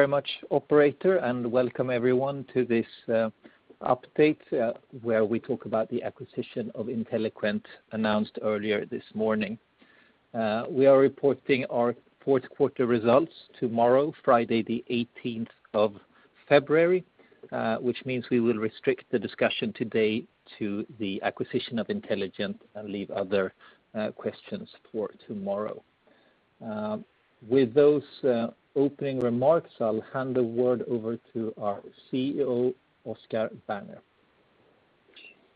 Very much operator and welcome everyone to this update where we talk about the acquisition of Inteliquent announced earlier this morning. We are reporting our fourth quarter results tomorrow, Friday the 18th February, which means we will restrict the discussion today to the acquisition of Inteliquent and leave other questions for tomorrow. With those opening remarks, I'll hand the word over to our CEO, Oscar Werner.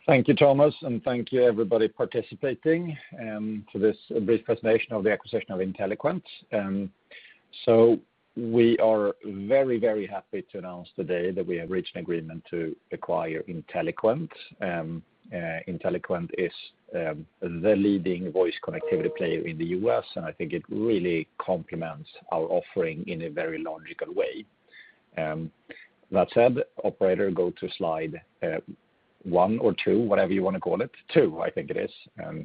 Thank you, Thomas, and thank you everybody participating to this brief presentation of the acquisition of Inteliquent. We are very happy to announce today that we have reached an agreement to acquire Inteliquent. Inteliquent is the leading voice connectivity player in the U.S. and I think it really complements our offering in a very logical way. That said, operator go to slide one or two, whatever you want to call it. Two, I think it is.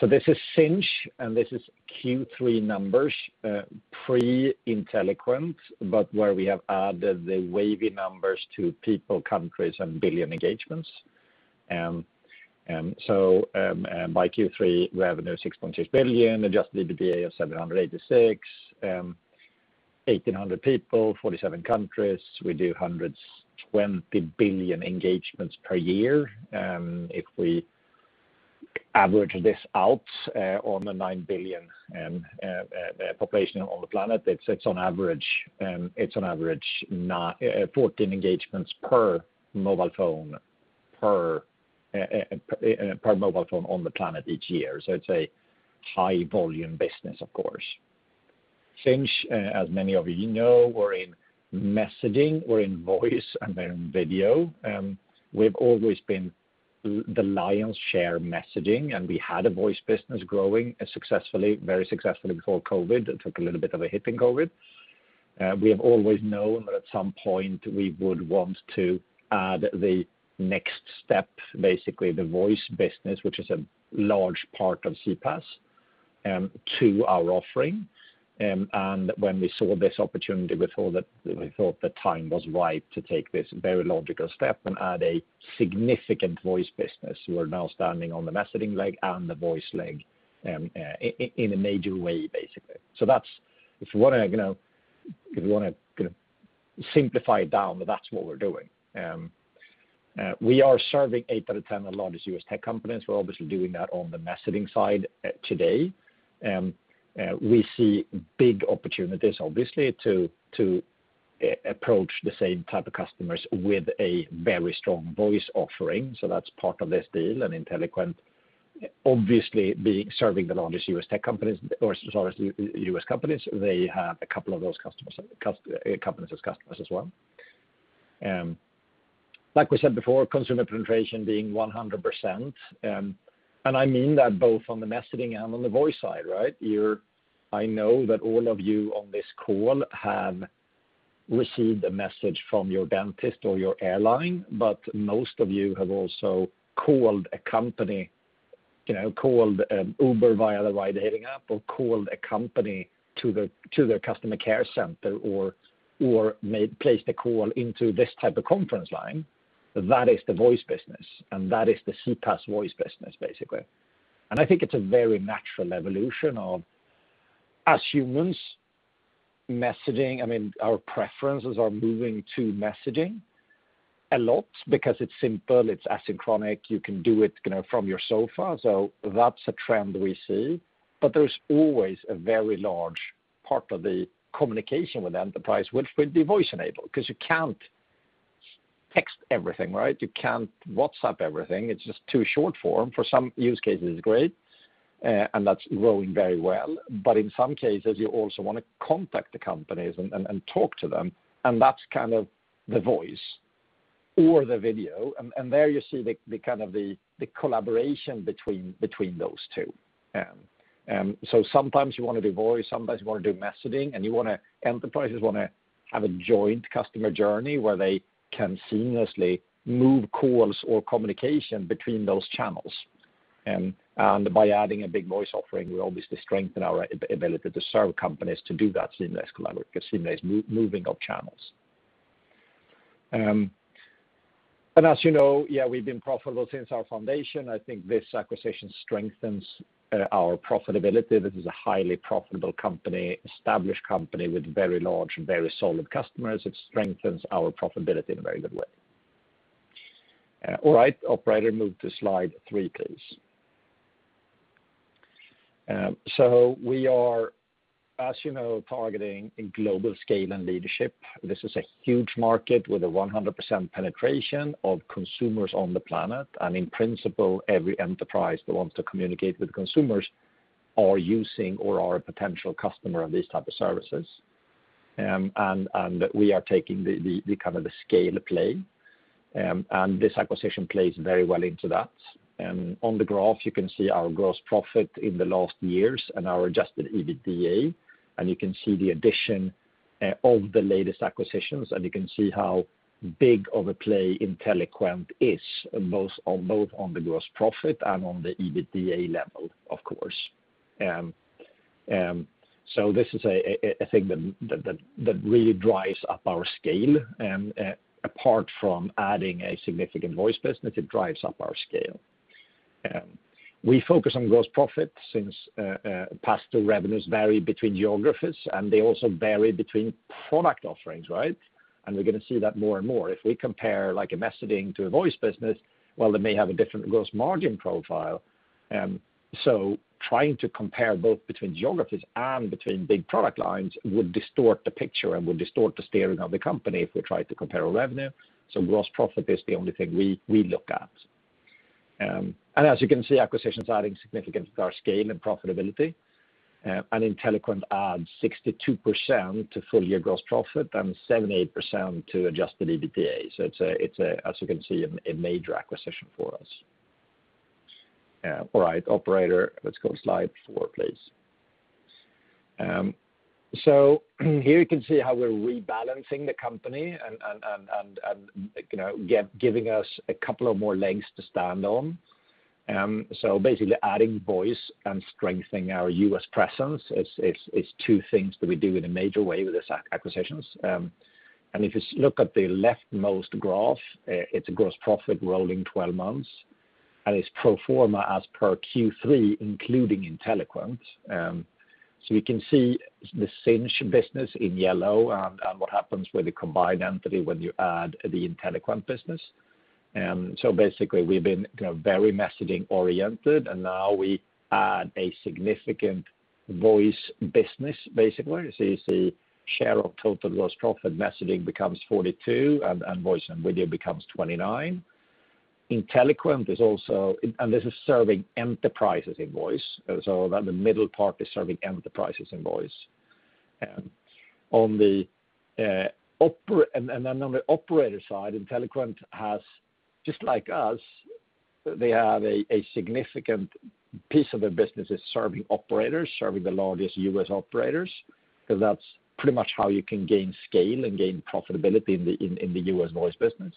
This is Sinch and this is Q3 numbers, pre-Inteliquent, but where we have added the Wavy numbers to people, countries and billion engagements. By Q3, revenue 6.6 billion, adjusted EBITDA of 786 million, 1,800 people, 47 countries. We do 120 billion engagements per year. If we average this out on the 9 billion population on the planet, it's on average 14 engagements per mobile phone on the planet each year. It's a high volume business of course. Sinch, as many of you know, we're in messaging, we're in voice and we're in video. We've always been the lion's share messaging, and we had a voice business growing very successfully before COVID. It took a little bit of a hit in COVID. We have always known that at some point we would want to add the next step, basically the voice business, which is a large part of CPaaS, to our offering. When we saw this opportunity, we thought the time was right to take this very logical step and add a significant voice business. We're now standing on the messaging leg and the voice leg in a major way, basically. If you want to simplify it down, that's what we're doing. We are serving eight out of 10 of the largest U.S. tech companies. We're obviously doing that on the messaging side today. We see big opportunities obviously to approach the same type of customers with a very strong voice offering. That's part of this deal and Inteliquent obviously serving the largest U.S. tech companies or largest U.S. companies. They have a couple of those companies as customers as well. Like we said before, consumer penetration being 100%. I mean that both on the messaging and on the voice side, right? I know that all of you on this call have received a message from your dentist or your airline, but most of you have also called a company, called Uber via the ride-hailing app, or called a company to their customer care center or placed a call into this type of conference line. That is the voice business and that is the CPaaS voice business, basically. I think it's a very natural evolution of, as humans, our preferences are moving to messaging a lot because it's simple, it's asynchronous, you can do it from your sofa. That's a trend we see, but there's always a very large part of the communication with enterprise which will be voice-enabled because you can't text everything, right? You can't WhatsApp everything. It's just too short-form. For some use cases it's great, and that's growing very well. In some cases, you also want to contact the companies and talk to them, and that's kind of the voice or the video. There you see the collaboration between those two. Sometimes you want to do voice, sometimes you want to do messaging, and enterprises want to have a joint customer journey where they can seamlessly move calls or communication between those channels. By adding a big voice offering, we obviously strengthen our ability to serve companies to do that seamless moving of channels. As you know, we've been profitable since our foundation. I think this acquisition strengthens our profitability. This is a highly profitable company, established company with very large and very solid customers. It strengthens our profitability in a very good way. All right, operator, move to slide three, please. We are, as you know, targeting global scale and leadership. This is a huge market with a 100% penetration of consumers on the planet. In principle, every enterprise that wants to communicate with consumers are using or are a potential customer of these type of services. We are taking the scale play, and this acquisition plays very well into that. On the graph, you can see our gross profit in the last years and our adjusted EBITDA. You can see the addition of the latest acquisitions. You can see how big of a play Inteliquent is, both on the gross profit and on the EBITDA level, of course. This is a thing that really drives up our scale. Apart from adding a significant voice business, it drives up our scale. We focus on gross profit since pass-through revenues vary between geographies. They also vary between product offerings, right? We're going to see that more and more. If we compare a messaging to a voice business, well, they may have a different gross margin profile. Trying to compare both between geographies and between big product lines would distort the picture and would distort the steering of the company if we tried to compare our revenue, gross profit is the only thing we look at. As you can see, acquisitions adding significant to our scale and profitability. Inteliquent adds 62% to full-year gross profit and 78% to adjusted EBITDA. It's, as you can see, a major acquisition for us. All right, operator, let's go to slide four, please. Here you can see how we're rebalancing the company and giving us a couple of more legs to stand on. Basically adding voice and strengthening our U.S. presence. It's two things that we do in a major way with these acquisitions. If you look at the leftmost graph, it's gross profit rolling 12 months, and it's pro forma as per Q3, including Inteliquent. We can see the Sinch business in yellow and what happens with the combined entity when you add the Inteliquent business. Basically, we've been very messaging oriented, and now we add a significant voice business, basically. You see share of total gross profit messaging becomes 42% and voice and video becomes 29%. Inteliquent is also, and this is serving enterprises in voice, so the middle part is serving enterprises in voice. Then on the operator side, Inteliquent has, just like us, they have a significant piece of their business is serving operators, serving the largest U.S. operators, because that's pretty much how you can gain scale and gain profitability in the U.S. voice business.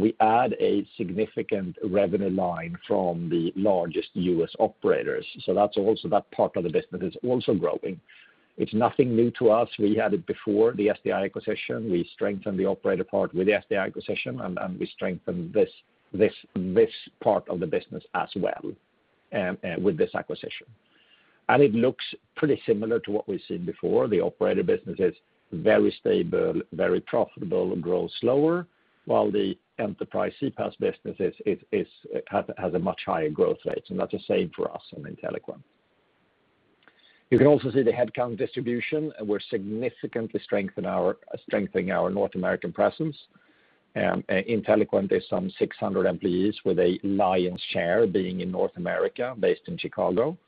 We add a significant revenue line from the largest U.S. operators. That part of the business is also growing. It's nothing new to us. We had it before the SDI acquisition. We strengthened the operator part with the SDI acquisition, and we strengthened this part of the business as well with this acquisition. It looks pretty similar to what we've seen before. The operator business is very stable, very profitable, and grows slower, while the enterprise CPaaS business has a much higher growth rate. That's the same for us and Inteliquent. You can also see the headcount distribution. We're significantly strengthening our North American presence. Inteliquent is some 600 employees with a lion's share being in North America, based in Chicago.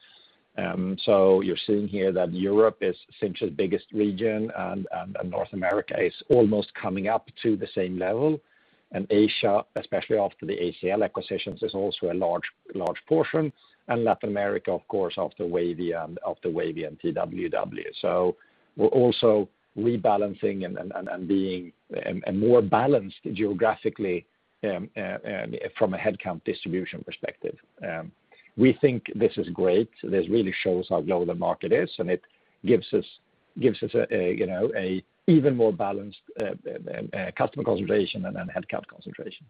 You're seeing here that Europe is Sinch's biggest region, and North America is almost coming up to the same level. Asia, especially after the ACL acquisitions, is also a large portion, and Latin America, of course, after Wavy and TWW. We're also rebalancing and being more balanced geographically from a headcount distribution perspective. We think this is great. This really shows how global the market is, and it gives us an even more balanced customer concentration and headcount concentration.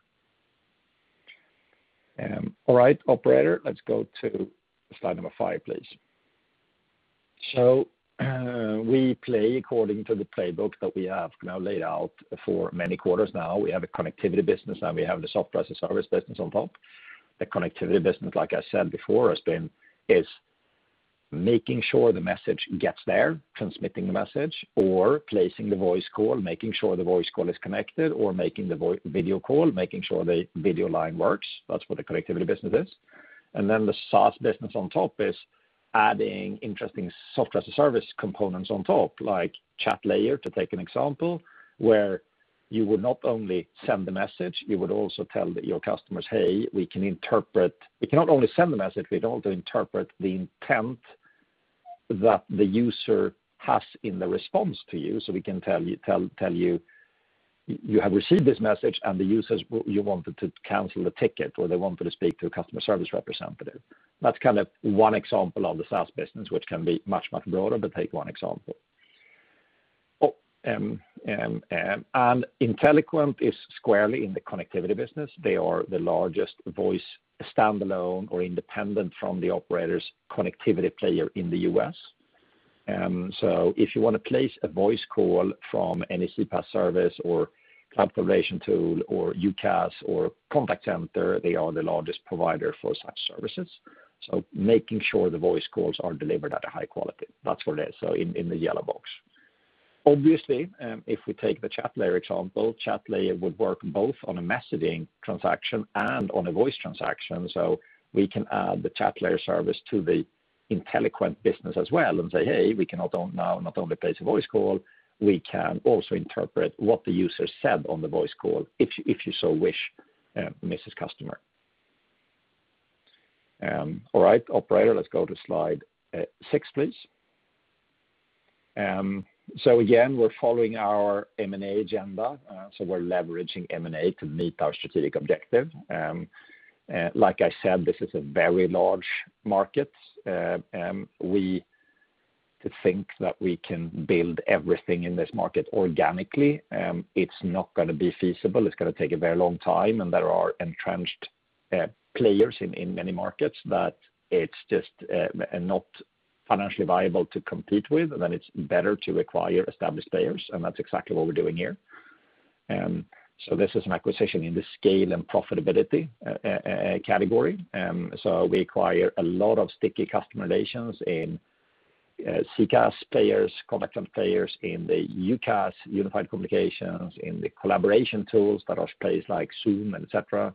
All right, operator, let's go to slide number five, please. We play according to the playbook that we have now laid out for many quarters now. We have a connectivity business, and we have the software as a service business on top. The connectivity business, like I said before, is making sure the message gets there, transmitting the message, or placing the voice call, making sure the voice call is connected, or making the video call, making sure the video line works. That's what the connectivity business is. Then the SaaS business on top is adding interesting software-as-a-service components on top, like Chatlayer, to take an example, where you would not only send the message, you would also tell your customers, "Hey, we cannot only send the message, we'd also interpret the intent that the user has in the response to you, so we can tell you have received this message, and the users, you wanted to cancel the ticket, or they wanted to speak to a customer service representative." That's one example of the SaaS business, which can be much, much broader, but take one example. Inteliquent is squarely in the connectivity business. They are the largest voice standalone or independent from the operator's connectivity player in the U.S. If you want to place a voice call from any CPaaS service or cloud collaboration tool or UCaaS or contact center, they are the largest provider for such services. Making sure the voice calls are delivered at a high quality. That's what it is, in the yellow box. Obviously, if we take the Chatlayer example, Chatlayer would work both on a messaging transaction and on a voice transaction. We can add the Chatlayer service to the Inteliquent business as well and say, "Hey, we can not only place a voice call, we can also interpret what the user said on the voice call, if you so wish, Mrs. Customer." All right, operator, let's go to slide six, please. Again, we're following our M&A agenda. We're leveraging M&A to meet our strategic objective. Like I said, this is a very large market. We think that we can build everything in this market organically. It's not going to be feasible. It's going to take a very long time, and there are entrenched players in many markets that it's just not financially viable to compete with, and then it's better to acquire established players, and that's exactly what we're doing here. This is an acquisition in the scale and profitability category. We acquire a lot of sticky customer relations in CCaaS players, contact center players in the UCaaS, unified communications, in the collaboration tools that are players like Zoom, et cetera,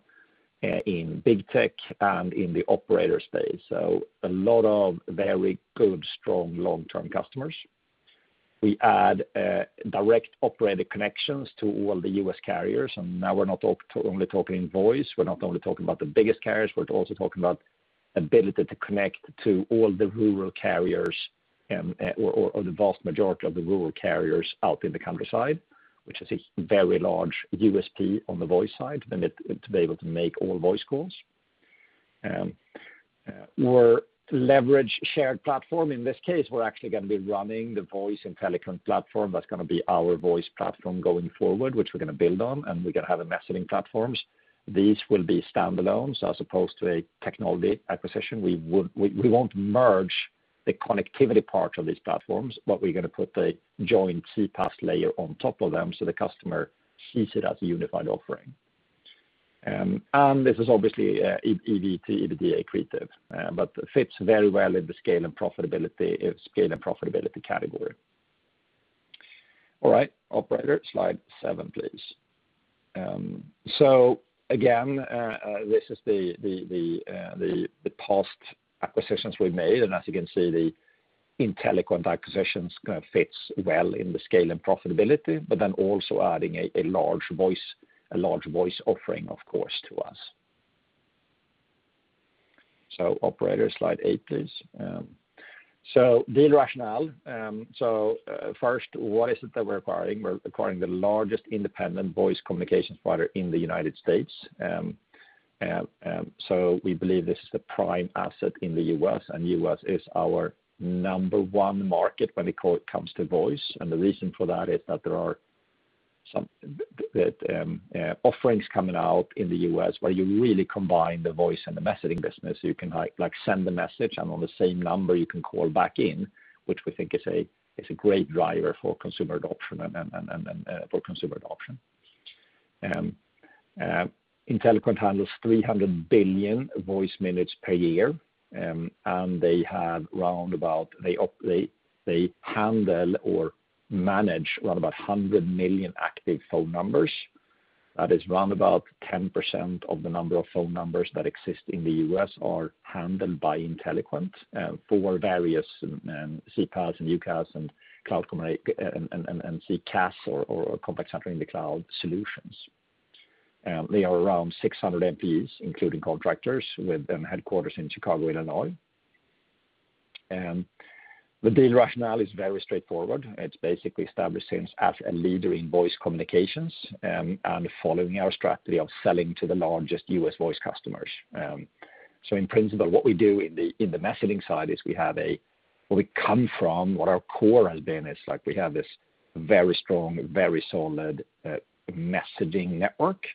in big tech and in the operator space. A lot of very good, strong long-term customers. We add direct operator connections to all the U.S. carriers. Now we're not only talking voice, we're not only talking about the biggest carriers, we're also talking about ability to connect to all the rural carriers or the vast majority of the rural carriers out in the countryside, which is a very large USP on the voice side, to be able to make all voice calls. We leverage shared platform. In this case, we're actually going to be running the voice Inteliquent platform that's going to be our voice platform going forward, which we're going to build on, and we're going to have the messaging platforms. These will be standalones as opposed to a technology acquisition. We won't merge the connectivity part of these platforms, but we're going to put a joint CPaaS layer on top of them so the customer sees it as a unified offering. This is obviously EBT/EBITDA accretive, but fits very well in the scale and profitability category. All right. Operator, slide seven, please. Again, this is the past acquisitions we made, and as you can see, the Inteliquent acquisition is going to fit well in the scale and profitability, but then also adding a large voice offering, of course, to us. Operator, slide eight, please. Deal rationale. First, what is it that we're acquiring? We're acquiring the largest independent voice communications provider in the U.S. We believe this is the prime asset in the U.S., and U.S. is our number one market when it comes to voice. The reason for that is that there are some offerings coming out in the U.S. where you really combine the voice and the messaging business. You can send a message, and on the same number, you can call back in, which we think is a great driver for consumer adoption. Inteliquent handles 300 billion voice minutes per year, and they handle or manage around about 100 million active phone numbers. That is round about 10% of the number of phone numbers that exist in the U.S. are handled by Inteliquent for various CCaaS and UCaaS and cloud communicate and CCaaS or contact center in the cloud solutions. They are around 600 FTEs, including contractors with headquarters in Chicago, Illinois. The deal rationale is very straightforward. It's basically establishing Sinch as a leader in voice communications, and following our strategy of selling to the largest U.S. voice customers. In principle, what we do in the messaging side, where we come from, what our core has been is we have this very strong, very solid messaging network,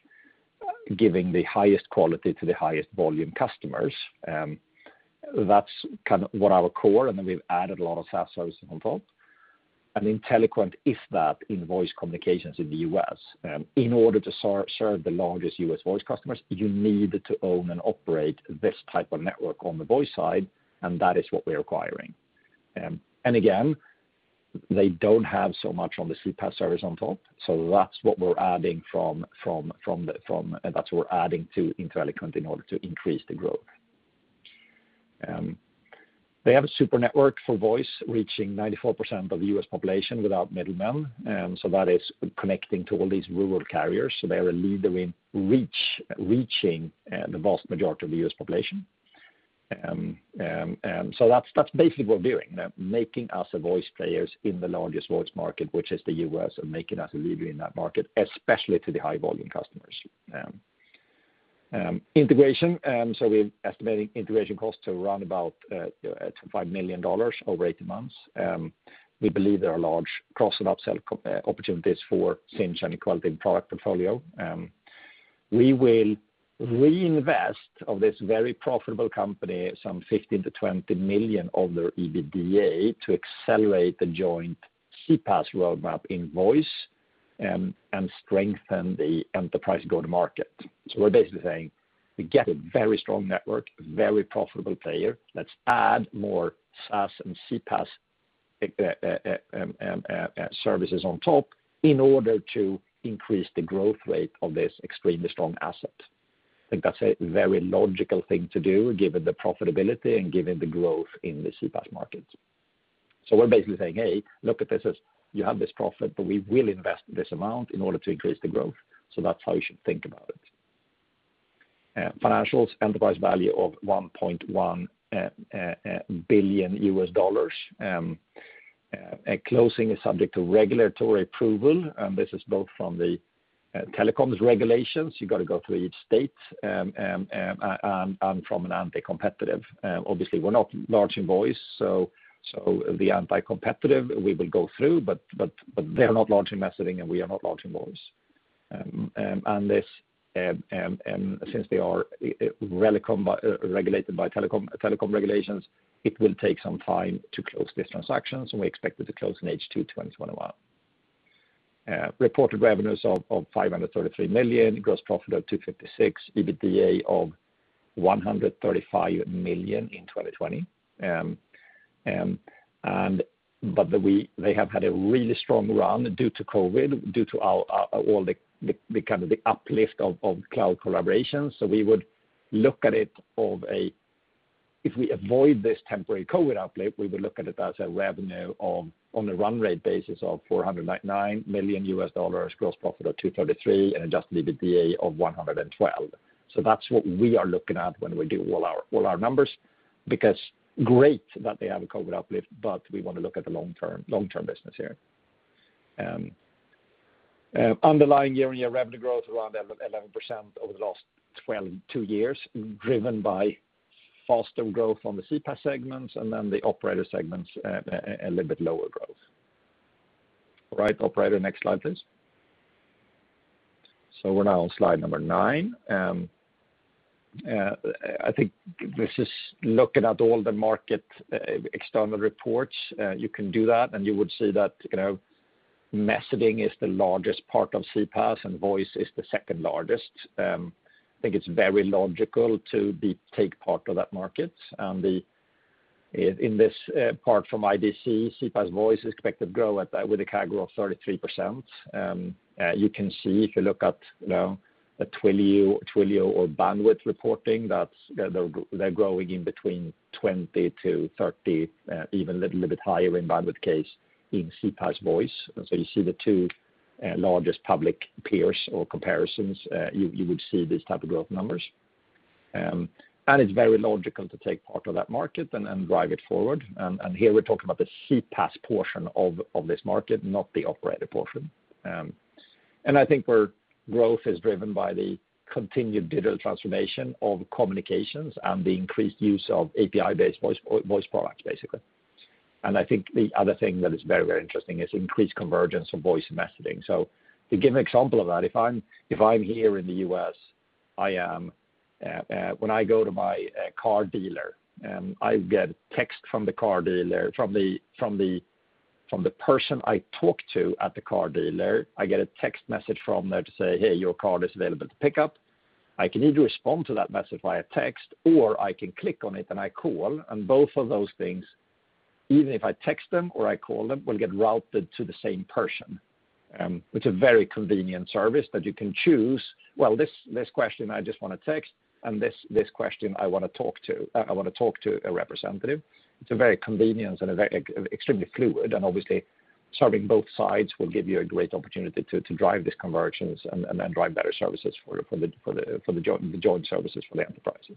giving the highest quality to the highest volume customers. That's what our core, and then we've added a lot of SaaS services on top. Inteliquent is that in voice communications in the U.S. In order to serve the largest U.S. voice customers, you need to own and operate this type of network on the voice side, and that is what we're acquiring. Again, they don't have so much on the CPaaS service on top. That's what we're adding to Inteliquent in order to increase the growth. They have a super network for voice, reaching 94% of the U.S. population without middlemen. That is connecting to all these rural carriers. They are a leader in reaching the vast majority of the U.S. population. That's basically what we're doing, making us a voice player in the largest voice market, which is the U.S., and making us a leader in that market, especially to the high volume customers. Integration. We're estimating integration costs to around about $5 million over 18 months. We believe there are large cross and upsell opportunities for Sinch and Inteliquent product portfolio. We will reinvest of this very profitable company some $15 million-$20 million of their EBITDA to accelerate the joint CPaaS roadmap in voice and strengthen the enterprise go-to-market. We're basically saying we get a very strong network, very profitable player. Let's add more SaaS and CPaaS services on top in order to increase the growth rate of this extremely strong asset. I think that's a very logical thing to do given the profitability and given the growth in the CPaaS market. We're basically saying, "Hey, look at this as you have this profit, but we will invest this amount in order to increase the growth. So that's how you should think about it." Financials, enterprise value of $1.1 billion. Closing is subject to regulatory approval, this is both from the telecoms regulations, you've got to go through each state, and from an anti-competitive. Obviously, we're not large in voice, the anti-competitive we will go through, but they're not large in messaging, and we are not large in voice. Since they are regulated by telecom regulations, it will take some time to close this transaction. We expect it to close in H2 2021. Reported revenues of $533 million, gross profit of $256, EBITDA of $135 million in 2020. They have had a really strong run due to COVID, due to all the uplift of cloud collaboration. We would look at it, if we avoid this temporary COVID uplift, we would look at it as a revenue on a run rate basis of $499 million, gross profit of $233 million, and adjusted EBITDA of $112 million. That's what we are looking at when we do all our numbers, because great that they have a COVID uplift, but we want to look at the long-term business here. Underlying year-on-year revenue growth around 11% over the last 2 years, driven by faster growth from the CPaaS segments, and then the operator segments, a little bit lower growth. All right, operator, next slide, please. We're now on slide number nine. I think this is looking at all the market external reports. You can do that, you would see that messaging is the largest part of CPaaS, and voice is the second largest. I think it's very logical to take part of that market. In this part from IDC, CPaaS voice is expected to grow with a CAGR of 33%. You can see if you look at Twilio or Bandwidth reporting, they're growing in between 20-30, even a little bit higher in Bandwidth case in CPaaS voice. You see the two largest public peers or comparisons, you would see these type of growth numbers. It's very logical to take part of that market and drive it forward. Here we're talking about the CPaaS portion of this market, not the operator portion. I think our growth is driven by the continued digital transformation of communications and the increased use of API-based voice products, basically. I think the other thing that is very, very interesting is increased convergence of voice messaging. To give an example of that, if I'm here in the U.S., when I go to my car dealer, I get a text from the car dealer, from the person I talk to at the car dealer. I get a text message from there to say, "Hey, your car is available to pick up." I can either respond to that message via text, or I can click on it and I call. Both of those things, even if I text them or I call them, will get routed to the same person, which is a very convenient service that you can choose. Well, this question I just want to text, and this question I want to talk to a representative. It's very convenient and extremely fluid. Obviously, serving both sides will give you a great opportunity to drive these conversions and then drive better services for the joint services for the enterprises.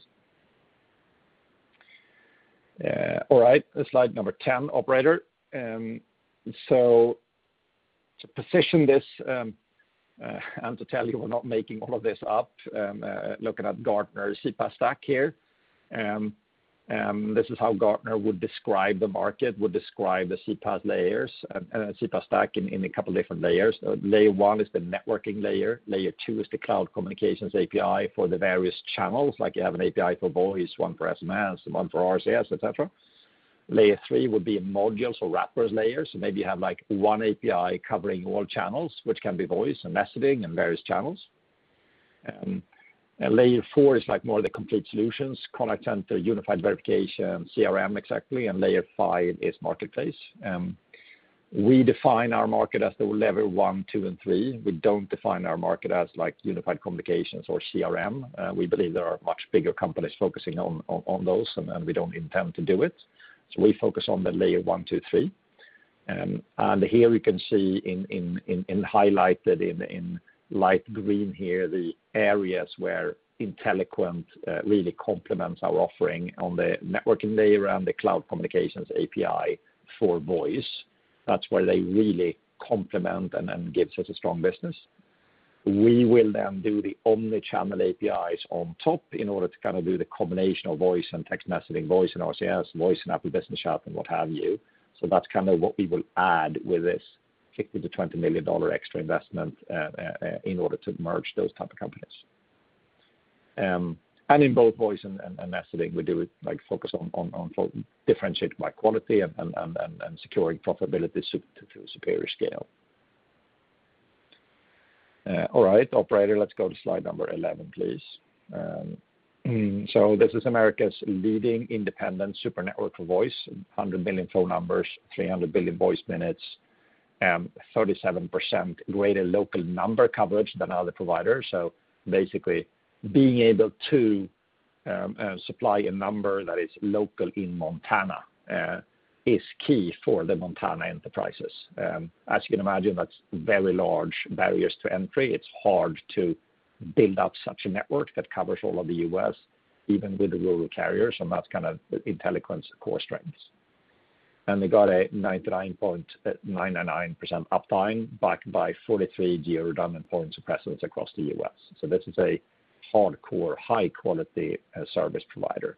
All right, slide number 10, operator. To position this, and to tell you we're not making all of this up, looking at Gartner CPaaS stack here. This is how Gartner would describe the market, would describe the CPaaS layers and CPaaS stack in a couple different layers. Layer 1 is the networking layer. Layer 2 is the cloud communications API for the various channels, like you have an API for voice, one for SMS, one for RCS, et cetera. Layer 3 would be modules or wrappers layers. Maybe you have one API covering all channels, which can be voice and messaging and various channels. Layer 4 is more of the complete solutions, contact center, unified communications, CRM exactly. Layer 5 is marketplace. We define our market as the level 1, 2, and 3. We don't define our market as unified communications or CRM. We believe there are much bigger companies focusing on those, and we don't intend to do it. We focus on the layer 1, 2, 3. Here we can see highlighted in light green here, the areas where Inteliquent really complements our offering on the networking layer and the cloud communications API for voice. That's where they really complement and gives us a strong business. We will then do the omni-channel APIs on top in order to do the combination of voice and text messaging, voice and RCS, voice and Apple Business Chat, and what have you. That's what we will add with this SEK 220 million extra investment in order to merge those type of companies. In both voice and messaging, we do focus on differentiating by quality and securing profitability to superior scale. All right, operator, let's go to slide number 11, please. This is America's leading independent super network for voice, 100 million phone numbers, 300 billion voice minutes. 37% greater local number coverage than other providers. Basically, being able to supply a number that is local in Montana is key for the Montana enterprises. As you can imagine, that's very large barriers to entry. It's hard to build up such a network that covers all of the U.S., even with the rural carriers, and that's kind of Inteliquent's core strengths. They got a 99.99% uptime backed by 43 geo-redundant points of presence across the U.S. This is a hardcore, high-quality service provider.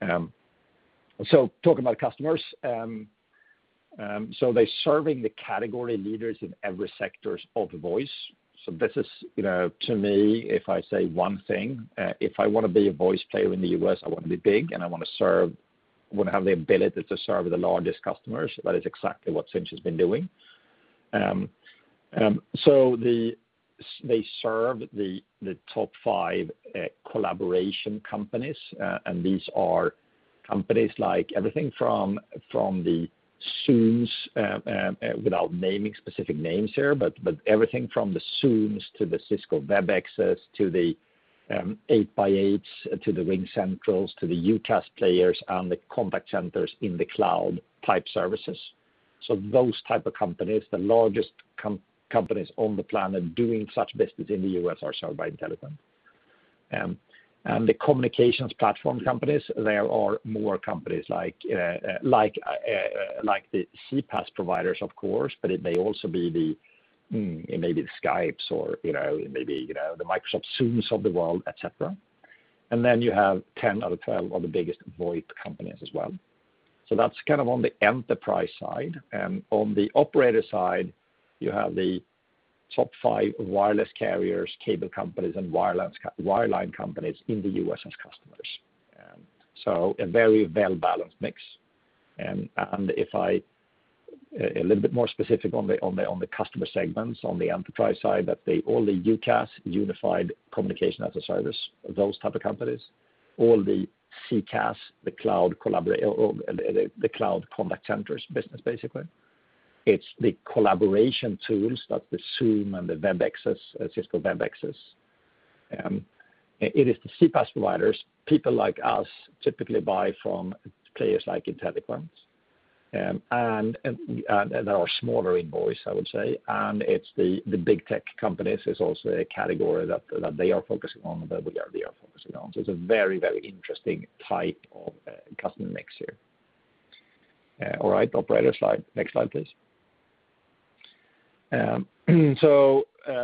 Talking about customers. They're serving the category leaders in every sectors of voice. This is, to me, if I say one thing, if I want to be a voice player in the U.S., I want to be big, and I want to have the ability to serve the largest customers. That is exactly what Sinch has been doing. They serve the top five collaboration companies. These are companies like everything from the Zooms, without naming specific names here, but everything from the Zooms to the Cisco Webexes to the 8x8s, to the RingCentrals, to the UCaaS players and the contact centers in the cloud type services. Those type of companies, the largest companies on the planet doing such business in the U.S. are served by Inteliquent. The communications platform companies, there are more companies like the CPaaS providers, of course, but it may also be the Skypes or maybe the Microsoft Zooms of the world, et cetera. Then you have 10 out of 12 of the biggest VoIP companies as well. That's kind of on the enterprise side. On the operator side, you have the top five wireless carriers, cable companies, and wireline companies in the U.S. as customers. A very well-balanced mix. If I, a little bit more specific on the customer segments on the enterprise side, that all the UCaaS, unified communications as a service, those type of companies. All the CCaaS, the cloud contact centers business, basically. It's the collaboration tools like the Zoom and the Cisco Webexes. It is the CPaaS providers, people like us typically buy from players like Inteliquent, that are smaller in voice, I would say. It's the big tech companies is also a category that they are focusing on, that we are focusing on. It's a very, very interesting type of customer mix here. All right, operator, slide. Next slide, please.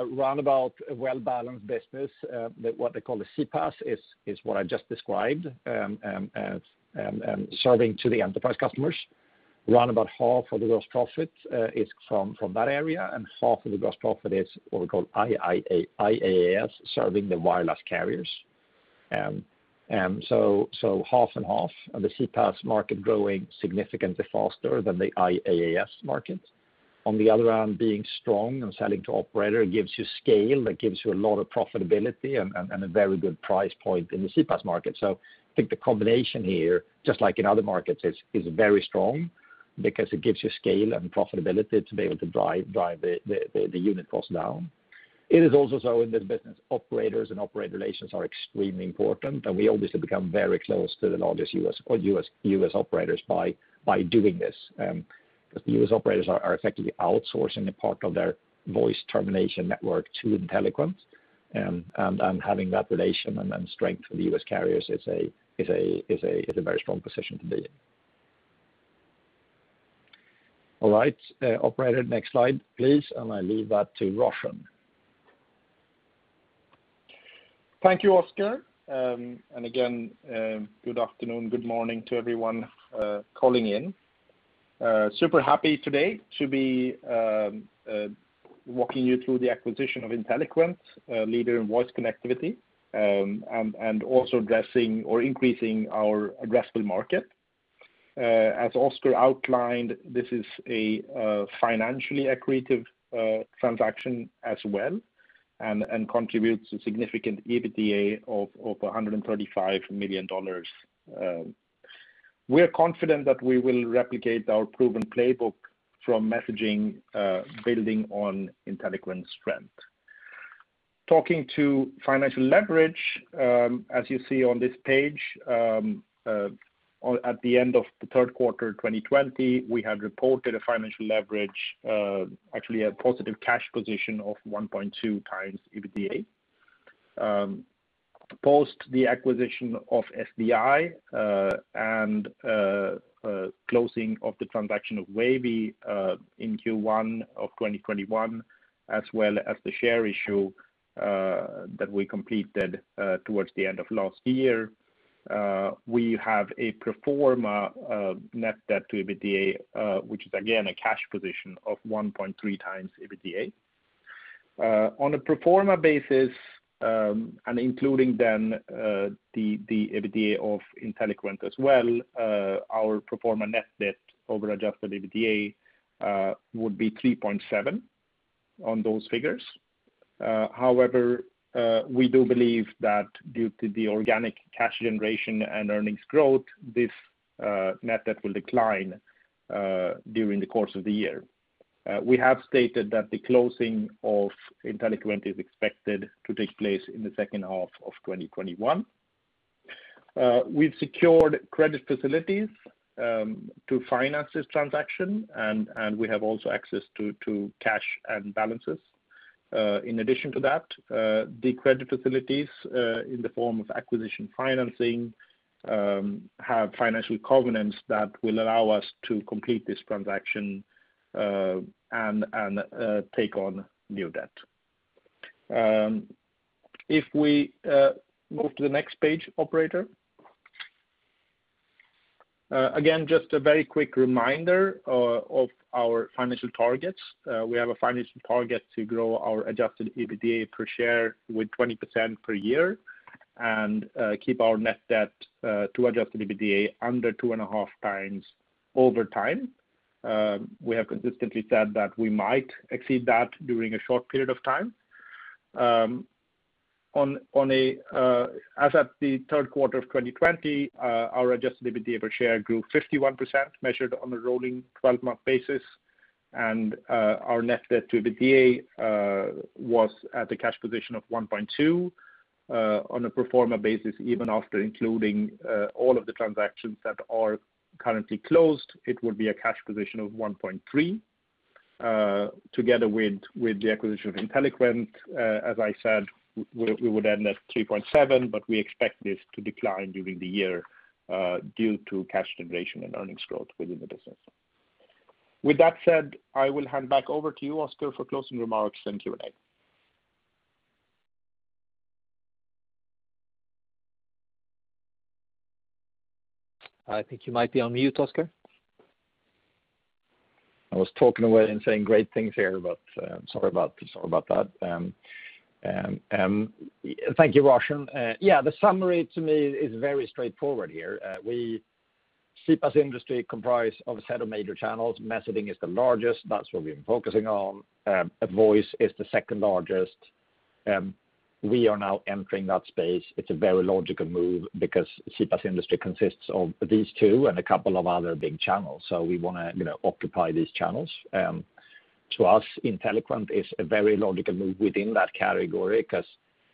Roundabout a well-balanced business, what they call the CPaaS is what I just described, and serving to the enterprise customers. Roundabout half of the gross profit is from that area, and half of the gross profit is what we call IaaS serving the wireless carriers. Half and half. The CPaaS market growing significantly faster than the IaaS market. On the other hand, being strong and selling to operator gives you scale, that gives you a lot of profitability and a very good price point in the CPaaS market. I think the combination here, just like in other markets, is very strong because it gives you scale and profitability to be able to drive the unit cost down. It is also so in this business, operators and operator relations are extremely important, and we obviously become very close to the largest U.S. operators by doing this. Because the U.S. operators are effectively outsourcing a part of their voice termination network to Inteliquent. Having that relation and then strength for the U.S. carriers is a very strong position to be in. Operator, next slide, please, I leave that to Roshan. Thank you, Oscar. Good afternoon, good morning to everyone calling in. Super happy today to be walking you through the acquisition of Inteliquent, a leader in voice connectivity, and also addressing or increasing our addressable market. As Oscar outlined, this is a financially accretive transaction as well and contributes a significant EBITDA of $135 million. We're confident that we will replicate our proven playbook from messaging, building on Inteliquent's strength. Talking to financial leverage, as you see on this page, at the end of the third quarter 2020, we had reported a financial leverage, actually a positive cash position of 1.2x EBITDA. Post the acquisition of SDI, and closing of the transaction of Wavy in Q1 2021, as well as the share issue that we completed towards the end of last year, we have a pro forma net debt to EBITDA, which is again, a cash position of 1.3x EBITDA. On a pro forma basis, including then the EBITDA of Inteliquent as well, our pro forma net debt over adjusted EBITDA would be 3.7 on those figures. We do believe that due to the organic cash generation and earnings growth, this net debt will decline during the course of the year. We have stated that the closing of Inteliquent is expected to take place in the second half of 2021. We've secured credit facilities to finance this transaction, we have also access to cash and balances. In addition to that, the credit facilities, in the form of acquisition financing, have financial covenants that will allow us to complete this transaction, and take on new debt. If we move to the next page, operator. Again, just a very quick reminder of our financial targets. We have a financial target to grow our adjusted EBITDA per share with 20% per year and keep our net debt to adjusted EBITDA under 2.5x over time. We have consistently said that we might exceed that during a short period of time. As at the third quarter of 2020, our adjusted EBITDA per share grew 51%, measured on a rolling 12-month basis, and our net debt to EBITDA was at a cash position of 1.2 on a pro forma basis. Even after including all of the transactions that are currently closed, it will be a cash position of 1.3x together with the acquisition of Inteliquent. As I said, we would end at 3.7x, but we expect this to decline during the year due to cash generation and earnings growth within the business. With that said, I will hand back over to you, Oscar, for closing remarks and Q&A. I think you might be on mute, Oscar. I was talking away and saying great things here, but sorry about that. Thank you, Roshan. The summary to me is very straightforward here. We see CPaaS industry comprised of a set of major channels. Messaging is the largest. That's what we've been focusing on. Voice is the second largest. We are now entering that space. It's a very logical move because CPaaS industry consists of these two and a couple of other big channels. We want to occupy these channels. To us, Inteliquent is a very logical move within that category because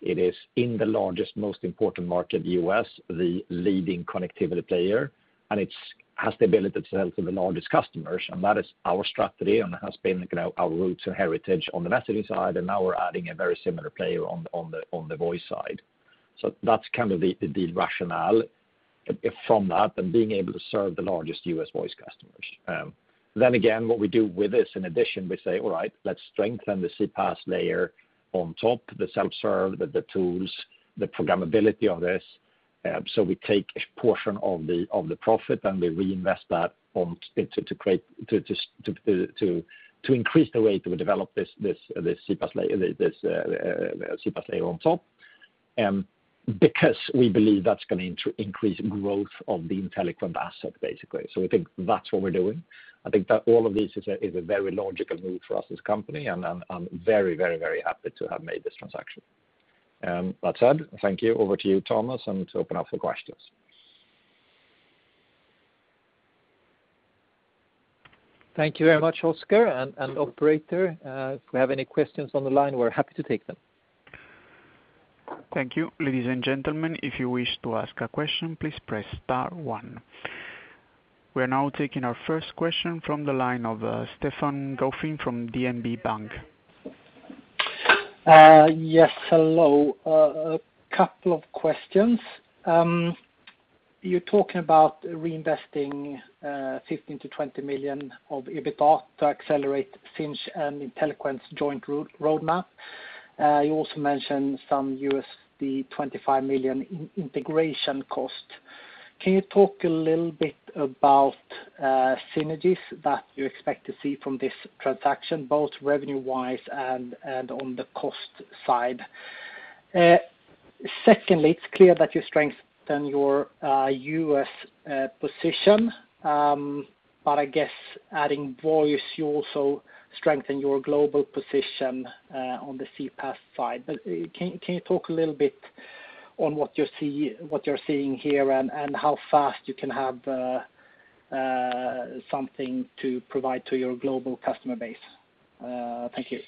it is in the largest, most important market, U.S., the leading connectivity player, and it has the ability to sell to the largest customers. That is our strategy and has been our roots and heritage on the messaging side, and now we're adding a very similar player on the voice side. That's kind of the rationale from that and being able to serve the largest U.S. voice customers. Again, what we do with this, in addition, we say, all right, let's strengthen the CPaaS layer on top, the self-serve, the tools, the programmability of this. We take a portion of the profit, and we reinvest that to increase the way that we develop this CPaaS layer on top. Because we believe that's going to increase growth of the Inteliquent asset, basically. I think that's what we're doing. I think that all of this is a very logical move for us as a company, and I'm very happy to have made this transaction. That said, thank you. Over to you, Thomas, to open up for questions. Thank you very much, Oscar and operator. If we have any questions on the line, we're happy to take them. Thank you. Ladies and gentlemen, if you wish to ask a question, please press star one. We're now taking our first question from the line of Stefan Gauffin from DNB Bank. Yes, hello. A couple of questions. You're talking about reinvesting $15 million-$20 million of EBITDA to accelerate Sinch and Inteliquent's joint roadmap. You also mentioned some $25 million in integration cost. Can you talk a little bit about synergies that you expect to see from this transaction, both revenue-wise and on the cost side? Secondly, it's clear that you strengthen your U.S. position, I guess adding voice, you also strengthen your global position on the CPaaS side. Can you talk a little bit on what you're seeing here and how fast you can have something to provide to your global customer base? Thank you.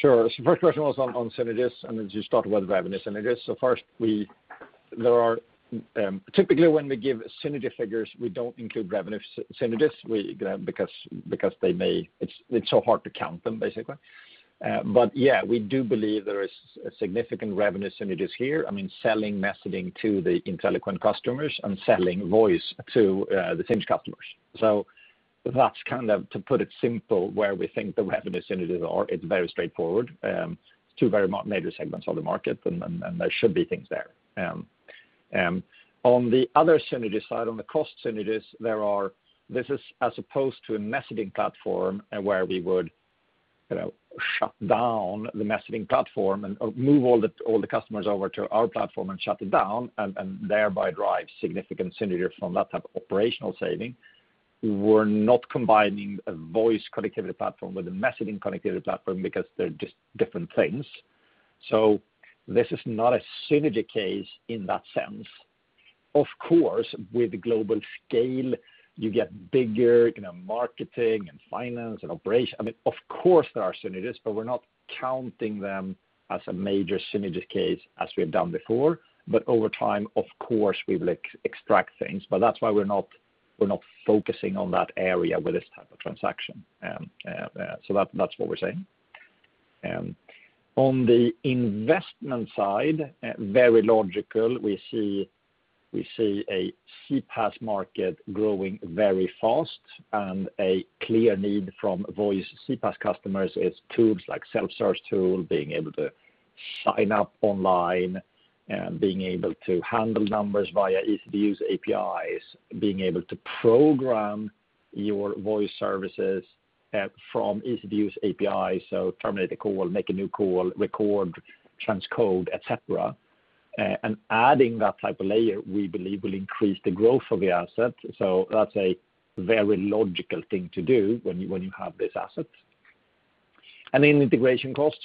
Sure. First question was on synergies, you start with revenue synergies. First, typically when we give synergy figures, we don't include revenue synergies because it's so hard to count them, basically. Yeah, we do believe there is significant revenue synergies here. I mean, selling messaging to the Inteliquent customers and selling voice to the Sinch customers. That's kind of, to put it simple, where we think the revenue synergies are. It's very straightforward. Two very major segments of the market, there should be things there. On the other synergy side, on the cost synergies, as opposed to a messaging platform where we would shut down the messaging platform and move all the customers over to our platform and shut it down and thereby drive significant synergies from that type of operational saving. We're not combining a voice connectivity platform with a messaging connectivity platform because they're just different things. This is not a synergy case in that sense. Of course, with global scale, you get bigger, marketing and finance and operation. Of course there are synergies, but we're not counting them as a major synergy case as we have done before. Over time, of course, we will extract things. That's why we're not focusing on that area with this type of transaction. That's what we're saying. On the investment side, very logical. We see a CPaaS market growing very fast and a clear need from voice CPaaS customers is tools like self-service tool, being able to sign up online, being able to handle numbers via easy-to-use APIs, being able to program your voice services from easy-to-use APIs. Terminate a call, make a new call, record, transcode, et cetera. Adding that type of layer, we believe, will increase the growth of the asset. That's a very logical thing to do when you have this asset. Integration costs,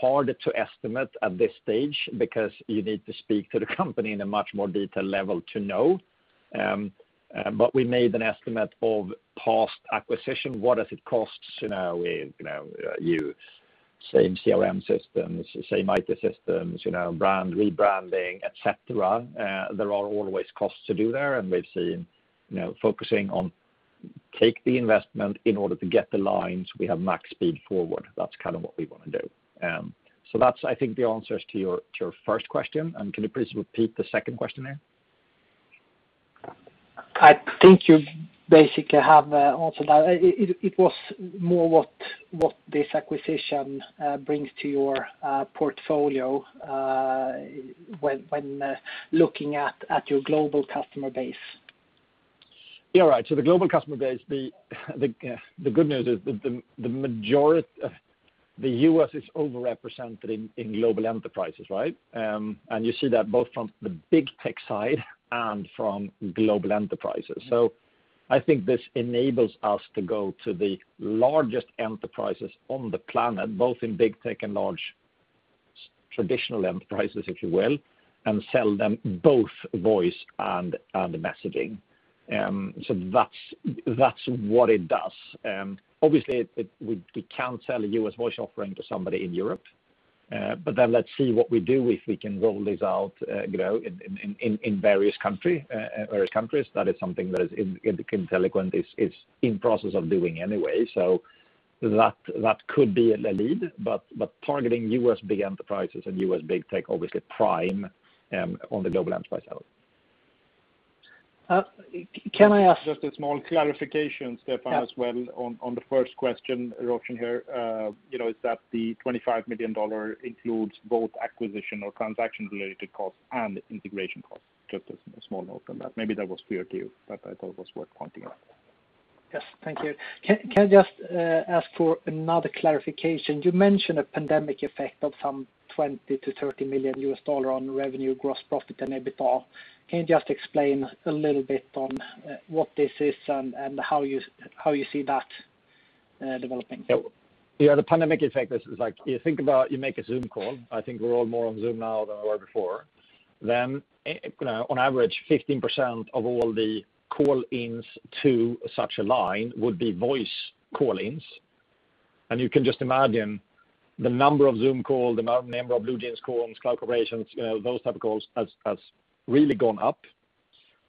hard to estimate at this stage because you need to speak to the company in a much more detailed level to know. We made an estimate of past acquisition. What does it cost with you, same CRM systems, same IT systems, brand rebranding, et cetera. There are always costs to do there, and we've seen, focusing on take the investment in order to get the lines, we have max speed forward. That's what we want to do. That's, I think, the answers to your first question. Can you please repeat the second question there? I think you basically have answered that. It was more what this acquisition brings to your portfolio when looking at your global customer base. Yeah. Right. The global customer base, the good news is the U.S. is over-represented in global enterprises, right? You see that both from the big tech side and from global enterprises. I think this enables us to go to the largest enterprises on the planet, both in big tech and large traditional enterprises, if you will, and sell them both voice and messaging. That's what it does. Obviously, we can't sell a U.S. voice offering to somebody in Europe. Let's see what we do if we can roll this out in various countries. That is something that Inteliquent is in process of doing anyway. That could be a lead, but targeting U.S. big enterprises and U.S. big tech, obviously prime on the global enterprise level. Can I ask- Just a small clarification, Stefan, as well, on the first question, Roshan, here. Is that the $25 million includes both acquisition or transaction-related costs and integration costs? Just a small note on that. Maybe that was clear to you, but I thought it was worth pointing out. Yes. Thank you. Can I just ask for another clarification? You mentioned a pandemic effect of some $20 million-$30 million on revenue, gross profit, and EBITDA. Can you just explain a little bit on what this is and how you see that developing? Yeah. The pandemic effect is like, you think about you make a Zoom call. I think we're all more on Zoom now than we were before. On average, 15% of all the call-ins to such a line would be voice call-ins. You can just imagine the number of Zoom call, the number of BlueJeans calls, cloud collaborations, those type of calls, has really gone up.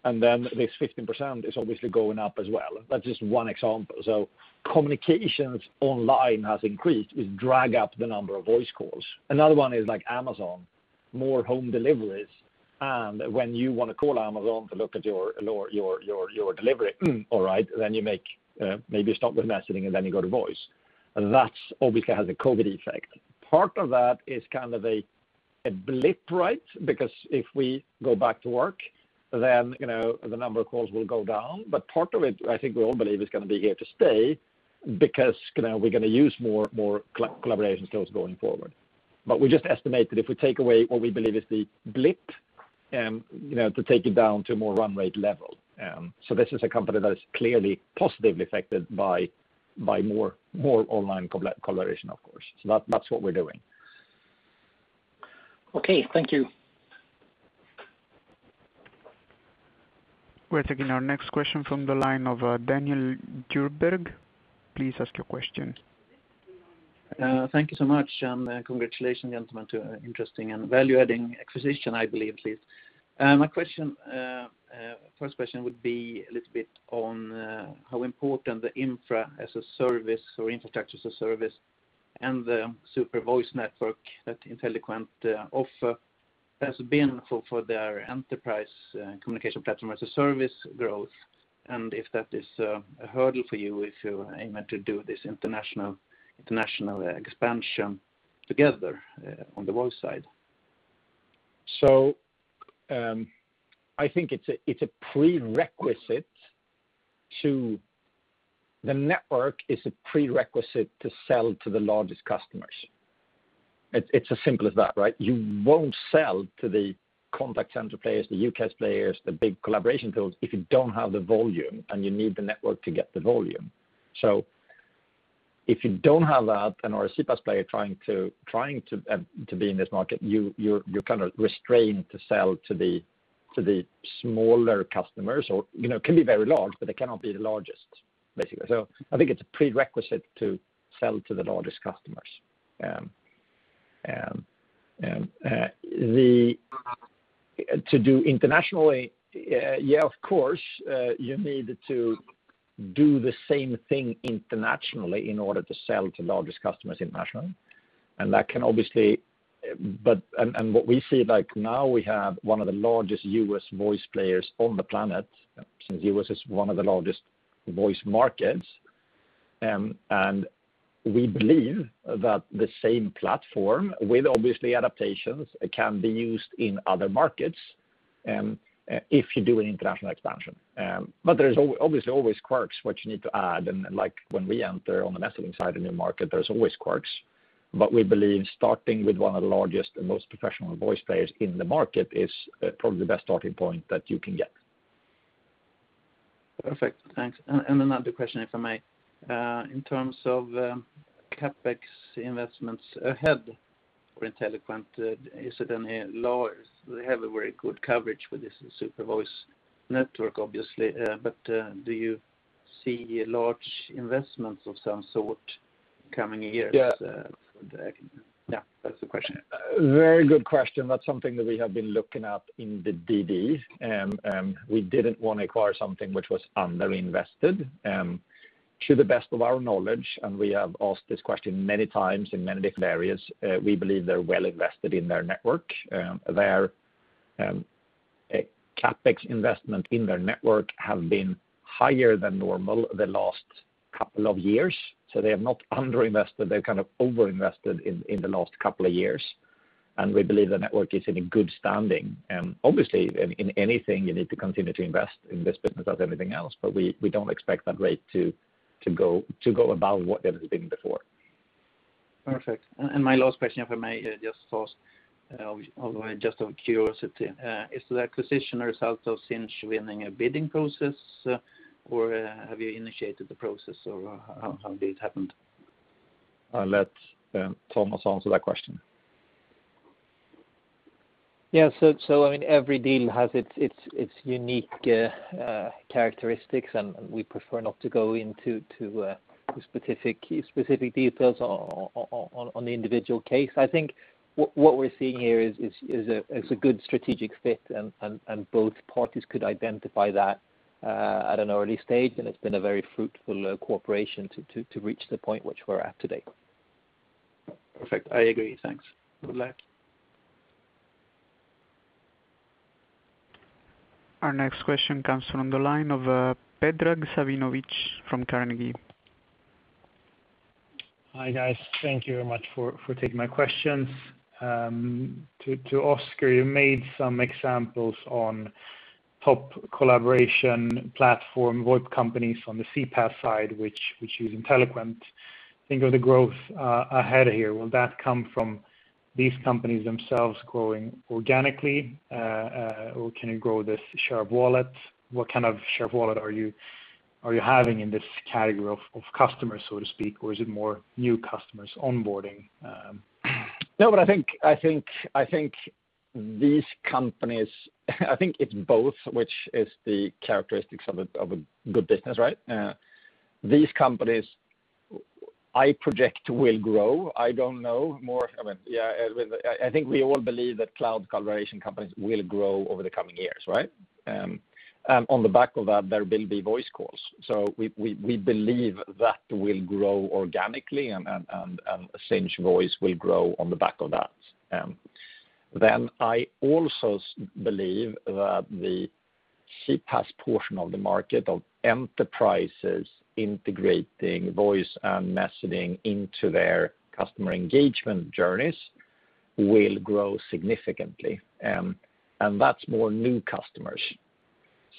This 15% is obviously going up as well. That's just one example. Communications online has increased, is drag up the number of voice calls. Another one is Amazon, more home deliveries. When you want to call Amazon to look at your delivery, all right, then you maybe stop the messaging, and then you go to voice. That's obviously has a COVID effect. Part of that is kind of a blip, right? Because if we go back to work, then the number of calls will go down. Part of it, I think we all believe, is going to be here to stay because we're going to use more collaboration tools going forward. We just estimate that if we take away what we believe is the blip, to take it down to a more run rate level. This is a company that is clearly positively affected by more online collaboration, of course. That's what we're doing. Okay. Thank you. We're taking our next question from the line of Daniel Djurberg. Please ask your question. Thank you so much. Congratulations, gentlemen, to an interesting and value-adding acquisition, I believe. My first question would be a little bit on how important the Infrastructure as a Service and the super voice network that Inteliquent offer has been for their enterprise Communications Platform as a Service growth, and if that is a hurdle for you, if you're aiming to do this international expansion together on the voice side. I think the network is a prerequisite to sell to the largest customers. It's as simple as that. You won't sell to the contact center players, the UCaaS players, the big collaboration tools if you don't have the volume, and you need the network to get the volume. If you don't have that and are a CPaaS player trying to be in this market, you're restrained to sell to the smaller customers. It can be very large, but they cannot be the largest, basically. I think it's a prerequisite to sell to the largest customers. To do internationally, yeah, of course, you need to do the same thing internationally in order to sell to largest customers internationally. What we see now, we have one of the largest U.S. voice players on the planet, since U.S. is one of the largest voice markets. We believe that the same platform, with obviously adaptations, can be used in other markets if you do an international expansion. There's obviously always quirks which you need to add. When we enter on the messaging side a new market, there's always quirks. We believe starting with one of the largest and most professional voice players in the market is probably the best starting point that you can get. Perfect. Thanks. Another question, if I may. In terms of CapEx investments ahead for Inteliquent, is it any large? They have a very good coverage with this SuperVoice network, obviously. Do you see large investments of some sort coming here? Yeah. That's the question. Very good question. That's something that we have been looking at in the DD. We didn't want to acquire something which was under-invested. To the best of our knowledge, and we have asked this question many times in many different areas, we believe they're well invested in their network. Their CapEx investment in their network have been higher than normal the last couple of years. They have not under-invested. They've over-invested in the last couple of years, and we believe the network is in a good standing. Obviously, in anything, you need to continue to invest in this business as anything else. We don't expect that rate to go above what it has been before. Perfect. My last question, if I may, just first, just out of curiosity. Is the acquisition a result of Sinch winning a bidding process, or have you initiated the process, or how did it happen? I'll let Thomas answer that question. Yeah. Every deal has its unique characteristics, and we prefer not to go into specific details on the individual case. I think what we're seeing here is a good strategic fit, and both parties could identify that at an early stage. It's been a very fruitful cooperation to reach the point which we're at today. Perfect. I agree. Thanks. Good luck. Our next question comes from the line of Predrag Savinovic from Carnegie. Hi, guys. Thank you very much for taking my questions. To Oscar, you made some examples on top collaboration platform VoIP companies on the CPaaS side, which use Inteliquent. Think of the growth ahead here. Will that come from these companies themselves growing organically, or can you grow this share of wallet? What kind of share of wallet are you having in this category of customers, so to speak, or is it more new customers onboarding? No, but I think it's both, which is the characteristics of a good business. These companies, I project, will grow. I don't know. I think we all believe that cloud collaboration companies will grow over the coming years. On the back of that, there will be voice calls. We believe that will grow organically, and Sinch Voice will grow on the back of that. I also believe that the CPaaS portion of the market of enterprises integrating voice and messaging into their customer engagement journeys will grow significantly. That's more new customers.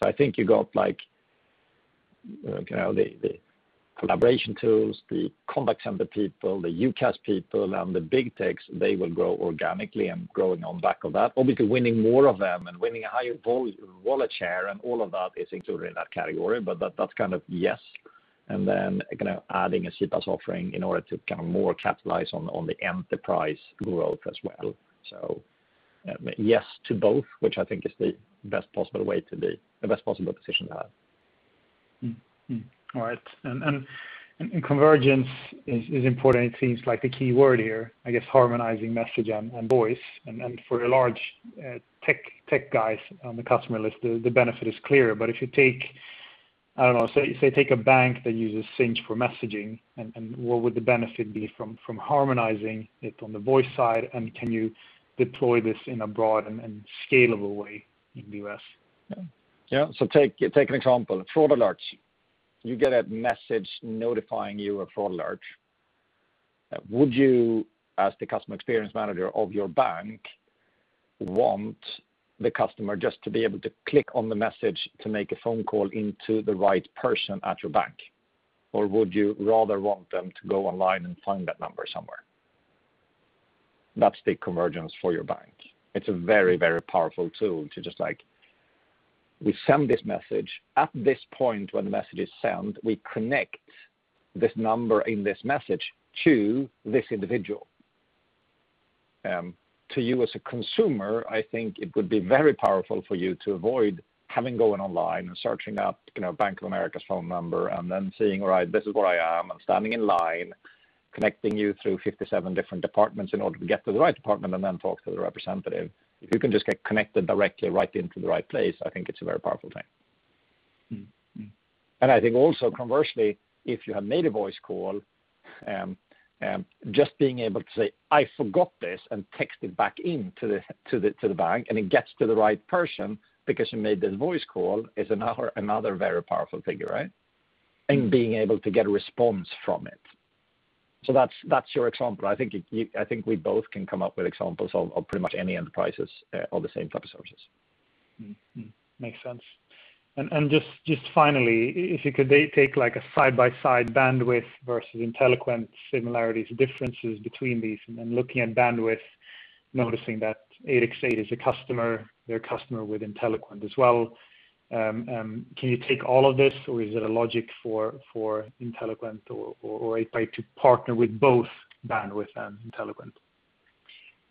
I think you got the collaboration tools, the contact center people, the UCaaS people, and the big techs, they will grow organically and growing on back of that, obviously winning more of them and winning a higher wallet share and all of that is included in that category. That's yes. Adding a CPaaS offering in order to more capitalize on the enterprise growth as well. Yes to both, which I think is the best possible position to have. All right. Convergence is important. It seems like the key word here, I guess harmonizing message and voice. For the large tech guys on the customer list, the benefit is clear. If you take, I don't know, take a bank that uses Sinch for messaging and what would the benefit be from harmonizing it on the voice side, and can you deploy this in a broad and scalable way in the U.S.? Yeah. Take an example, fraud alerts. You get a message notifying you of fraud alert. Would you, as the customer experience manager of your bank, want the customer just to be able to click on the message to make a phone call into the right person at your bank, or would you rather want them to go online and find that number somewhere? That's the convergence for your bank. It's a very, very powerful tool to just like, we send this message. At this point, when the message is sent, we connect this number in this message to this individual. To you as a consumer, I think it would be very powerful for you to avoid having to go online and searching up Bank of America's phone number and then seeing, all right, this is where I am, I'm standing in line, connecting you through 57 different departments in order to get to the right department and then talk to the representative. If you can just get connected directly right into the right place, I think it's a very powerful thing. I think also conversely, if you have made a voice call, just being able to say, "I forgot this," and text it back into the bank and it gets to the right person because you made the voice call is another very powerful figure, right? Being able to get a response from it. That's your example. I think we both can come up with examples of pretty much any enterprises of the same type of services. Makes sense. Just finally, if you could take like a side-by-side Bandwidth versus Inteliquent similarities, differences between these, looking at Bandwidth, noticing that 8x8 is their customer with Inteliquent as well. Can you take all of this or is it a logic for Inteliquent or 8x8 to partner with both Bandwidth and Inteliquent?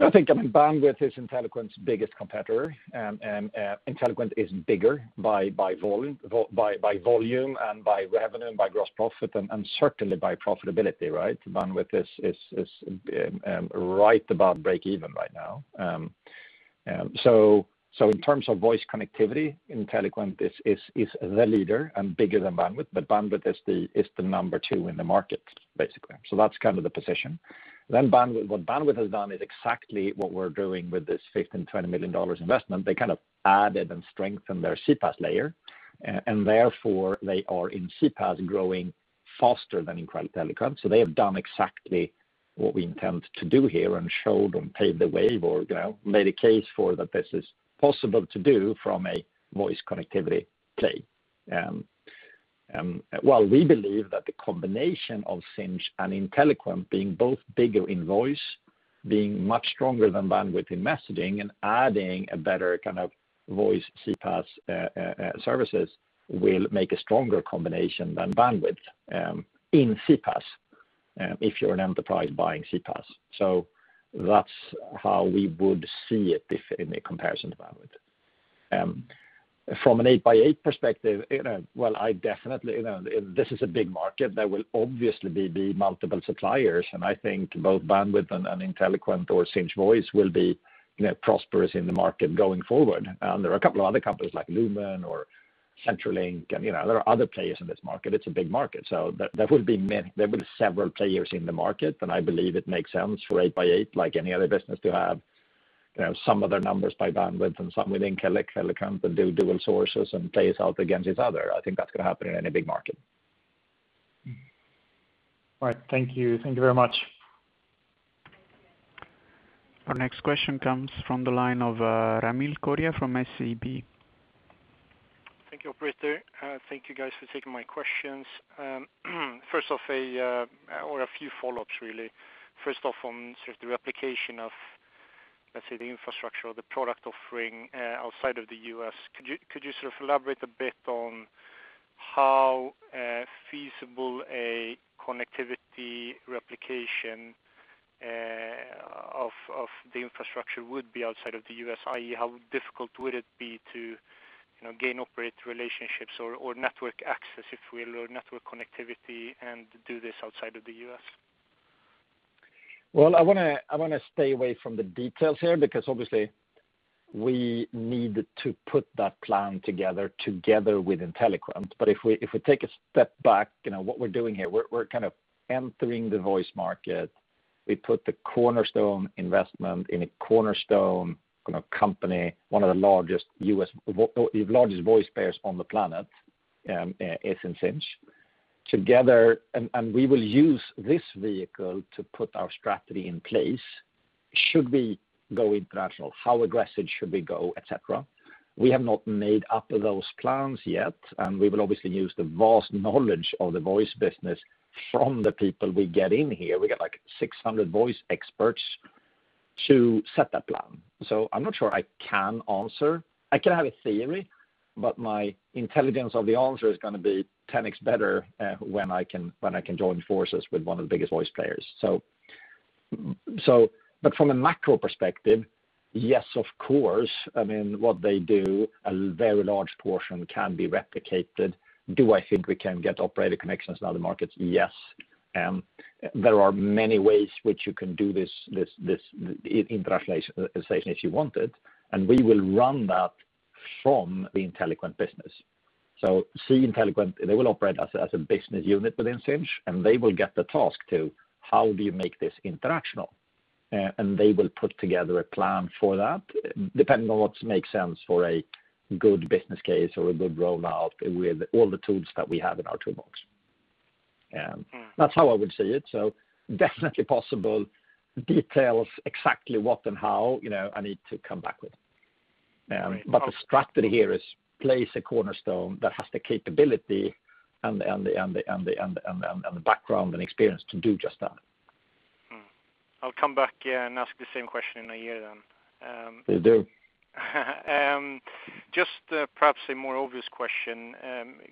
I think Bandwidth is Inteliquent's biggest competitor, Inteliquent is bigger by volume, by revenue, by gross profit, and certainly by profitability, right? Bandwidth is right above breakeven right now. In terms of voice connectivity, Inteliquent is the leader and bigger than Bandwidth is the number two in the market, basically. That's kind of the position. What Bandwidth has done is exactly what we're doing with this SEK 15 million-SEK 20 million investment. They kind of added and strengthened their CPaaS layer. Therefore, they are in CPaaS growing faster than Inteliquent. They have done exactly what we intend to do here, showed and paved the way or made a case for that this is possible to do from a voice connectivity play. While we believe that the combination of Sinch and Inteliquent being both bigger in voice, being much stronger than Bandwidth in messaging, and adding a better kind of voice CPaaS services will make a stronger combination than Bandwidth, in CPaaS, if you're an enterprise buying CPaaS. That's how we would see it in a comparison to Bandwidth. From an 8x8 perspective, this is a big market. There will obviously be multiple suppliers, and I think both Bandwidth and Inteliquent or Sinch Voice will be prosperous in the market going forward. There are a couple of other companies like Lumen or CenturyLink, and there are other players in this market. It's a big market. There will be several players in the market, and I believe it makes sense for 8x8, like any other business, to have some of their numbers by Bandwidth and some with Inteliquent, and do dual sources and play us out against each other. I think that's going to happen in any big market. All right. Thank you. Thank you very much. Our next question comes from the line of Ramil Koria from SEB. Thank you, operator. Thank you guys for taking my questions. First off, or a few follow-ups, really. First off on sort of the replication of, let's say, the infrastructure or the product offering outside of the U.S., could you sort of elaborate a bit on how feasible a connectivity replication of the infrastructure would be outside of the U.S., i.e. how difficult would it be to gain operator relationships or network access, if we load network connectivity and do this outside of the U.S.? Well, I want to stay away from the details here because obviously we need to put that plan together with Inteliquent. If we take a step back, what we're doing here, we're kind of entering the voice market. We put the cornerstone investment in a cornerstone company, one of the largest voice players on the planet is in Sinch. Together, we will use this vehicle to put our strategy in place should we go international, how aggressive should we go, et cetera. We have not made up those plans yet, we will obviously use the vast knowledge of the voice business from the people we get in here. We get like 600 voice experts to set that plan. I'm not sure I can answer. I can have a theory, but my intelligence of the answer is going to be 10x better when I can join forces with one of the biggest voice players. From a macro perspective, yes, of course. What they do, a very large portion can be replicated. Do I think we can get operator connections in other markets? Yes. There are many ways which you can do this internationalization if you wanted, and we will run that from the Inteliquent business. See Inteliquent, they will operate as a business unit within Sinch, and they will get the task to how do you make this international? They will put together a plan for that, depending on what makes sense for a good business case or a good rollout with all the tools that we have in our toolbox. That's how I would see it. Definitely possible. Details, exactly what and how, I need to come back with. The strategy here is place a cornerstone that has the capability and the background and experience to do just that. I'll come back and ask the same question in a year then. Please do. Just perhaps a more obvious question.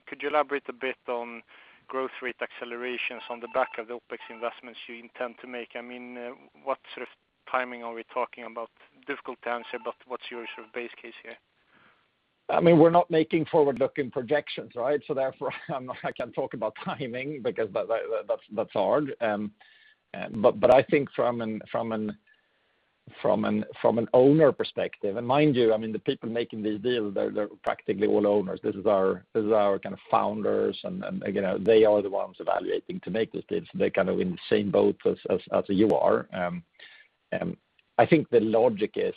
Could you elaborate a bit on growth rate accelerations on the back of the OpEx investments you intend to make? What sort of timing are we talking about? Difficult to answer, but what's your base case here? We're not making forward-looking projections, right? Therefore, I can't talk about timing because that's hard. I think from an owner perspective, and mind you, the people making this deal, they're practically all owners. This is our founders and they are the ones evaluating to make this deal, so they're in the same boat as you are. I think the logic is,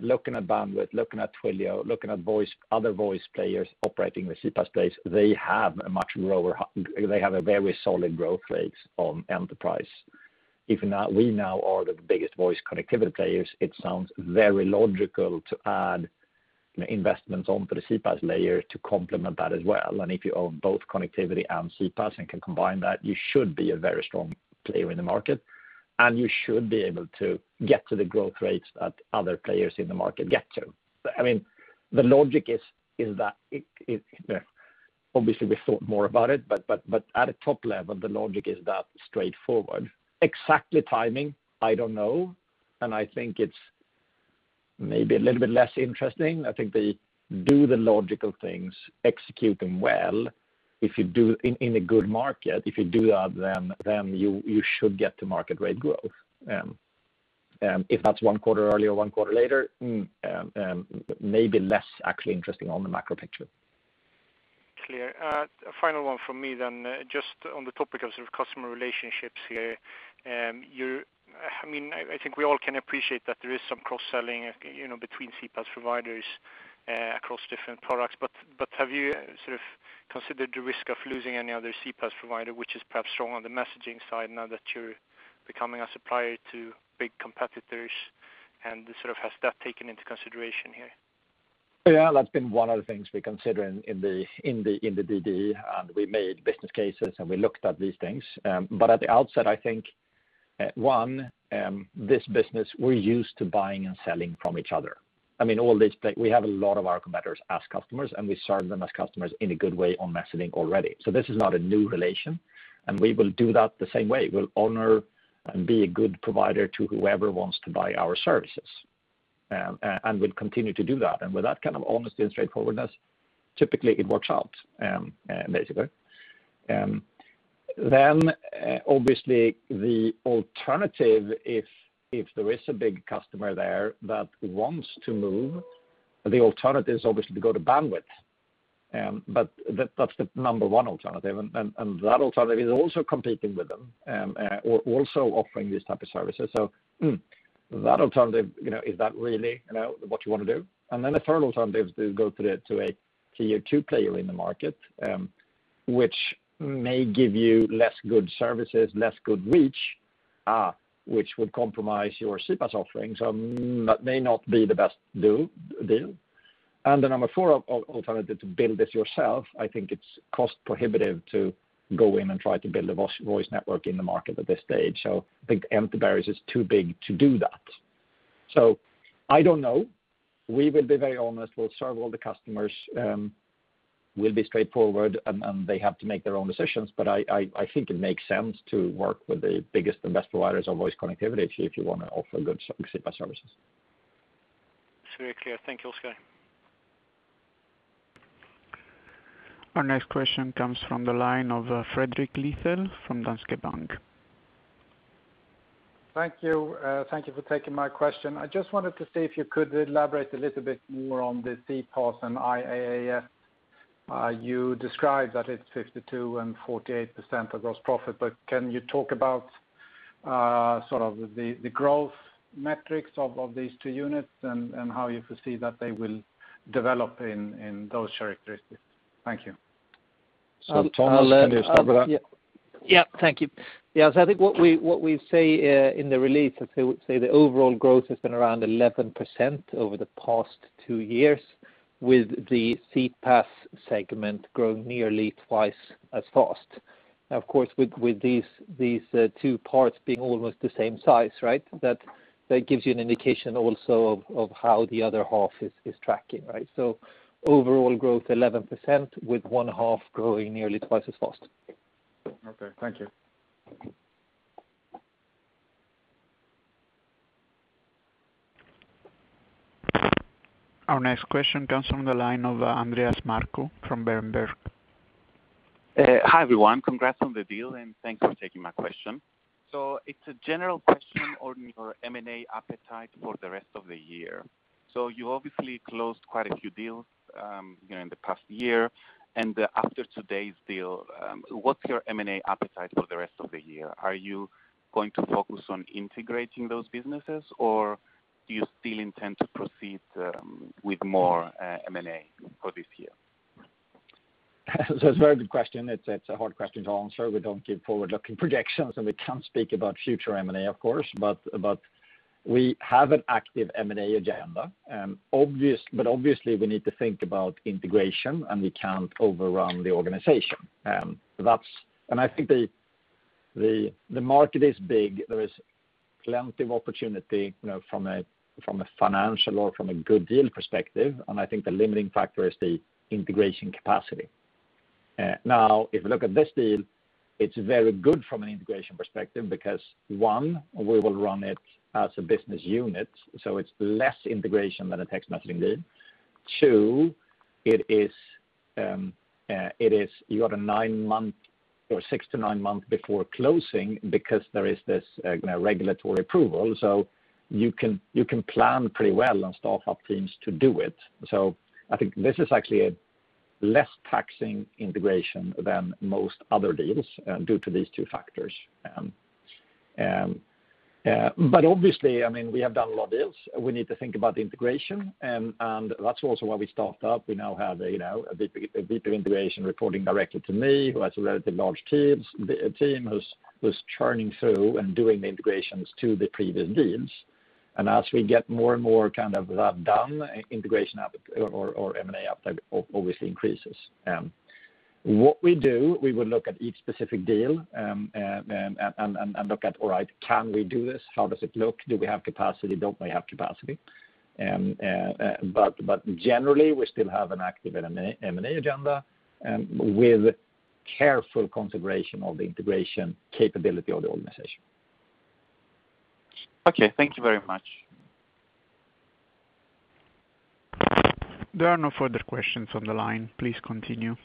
looking at Bandwidth, looking at Twilio, looking at other voice players operating the CPaaS space, they have a very solid growth rates on enterprise. If we now are the biggest voice connectivity players, it sounds very logical to add investments onto the CPaaS layer to complement that as well. If you own both connectivity and CPaaS and can combine that, you should be a very strong player in the market, and you should be able to get to the growth rates that other players in the market get to. Obviously, we thought more about it, but at a top level, the logic is that straightforward. Exactly timing, I don't know. I think it's maybe a little bit less interesting. I think they do the logical things, execute them well. In a good market, if you do that, then you should get to market rate growth. If that's one quarter early or one quarter later, maybe less actually interesting on the macro picture. Clear. A final one from me then. Just on the topic of customer relationships here. I think we all can appreciate that there is some cross-selling between CPaaS providers across different products. Have you considered the risk of losing any other CPaaS provider, which is perhaps strong on the messaging side now that you're becoming a supplier to big competitors, and has that taken into consideration here? Yeah, that's been one of the things we consider in the DD, and we made business cases, and we looked at these things. At the outset, I think, one, this business, we're used to buying and selling from each other. We have a lot of our competitors as customers, and we serve them as customers in a good way on messaging already. This is not a new relation, and we will do that the same way. We'll honor and be a good provider to whoever wants to buy our services, and we'll continue to do that. With that kind of honesty and straightforwardness, typically it works out, basically. Obviously the alternative, if there is a big customer there that wants to move, the alternative's obviously to go to Bandwidth. That's the number one alternative, and that alternative is also competing with them, also offering these type of services. That alternative, is that really what you want to do? The third alternative is go to a tier 2 player in the market, which may give you less good services, less good reach, which would compromise your CPaaS offering. That may not be the best deal. The number four alternative, to build this yourself, I think it's cost prohibitive to go in and try to build a voice network in the market at this stage. I think entry barriers is too big to do that. I don't know. We will be very honest. We'll serve all the customers. We'll be straightforward, and they have to make their own decisions. I think it makes sense to work with the biggest and best providers of voice connectivity if you want to offer good CPaaS services. It's very clear. Thank you, Oscar. Our next question comes from the line of Fredrik Lithell from Danske Bank. Thank you for taking my question. I just wanted to see if you could elaborate a little bit more on the CPaaS and IaaS. You described that it's 52% and 48% of gross profit, can you talk about the growth metrics of these two units and how you foresee that they will develop in those characteristics? Thank you. Thomas, can you start with that? Thank you. I think what we say in the release, I'd say the overall growth has been around 11% over the past two years, with the CPaaS segment growing nearly twice as fast. Of course, with these two parts being almost the same size, that gives you an indication also of how the other half is tracking. Overall growth 11%, with one half growing nearly twice as fast. Okay. Thank you. Our next question comes from the line of Andreas Markou from Berenberg. Hi, everyone. Congrats on the deal, and thanks for taking my question. It's a general question on your M&A appetite for the rest of the year. You obviously closed quite a few deals in the past year. After today's deal, what's your M&A appetite for the rest of the year? Are you going to focus on integrating those businesses, or do you still intend to proceed with more M&A for this year? It's a very good question. It's a hard question to answer. We don't give forward-looking projections, and we can't speak about future M&A, of course, but we have an active M&A agenda. Obviously, we need to think about integration, and we can't overrun the organization. I think the market is big. There is plenty of opportunity from a financial or from a good deal perspective, and I think the limiting factor is the integration capacity. If you look at this deal, it's very good from an integration perspective because one, we will run it as a business unit, so it's less integration than a text messaging deal. Two, you got a six to nine months before closing because there is this regulatory approval, so you can plan pretty well and staff up teams to do it. I think this is actually a less taxing integration than most other deals due to these two factors. Obviously, we have done a lot of deals. We need to think about the integration, and that's also why we staffed up. We now have a VP of integration reporting directly to me who has a relatively large team, who's churning through and doing the integrations to the previous deals. As we get more and more of that done, integration or M&A uptake obviously increases. What we do, we will look at each specific deal, and look at, all right, can we do this? How does it look? Do we have capacity? Don't we have capacity? Generally, we still have an active M&A agenda with careful consideration of the integration capability of the organization. Okay. Thank you very much. There are no further questions on the line. Please continue.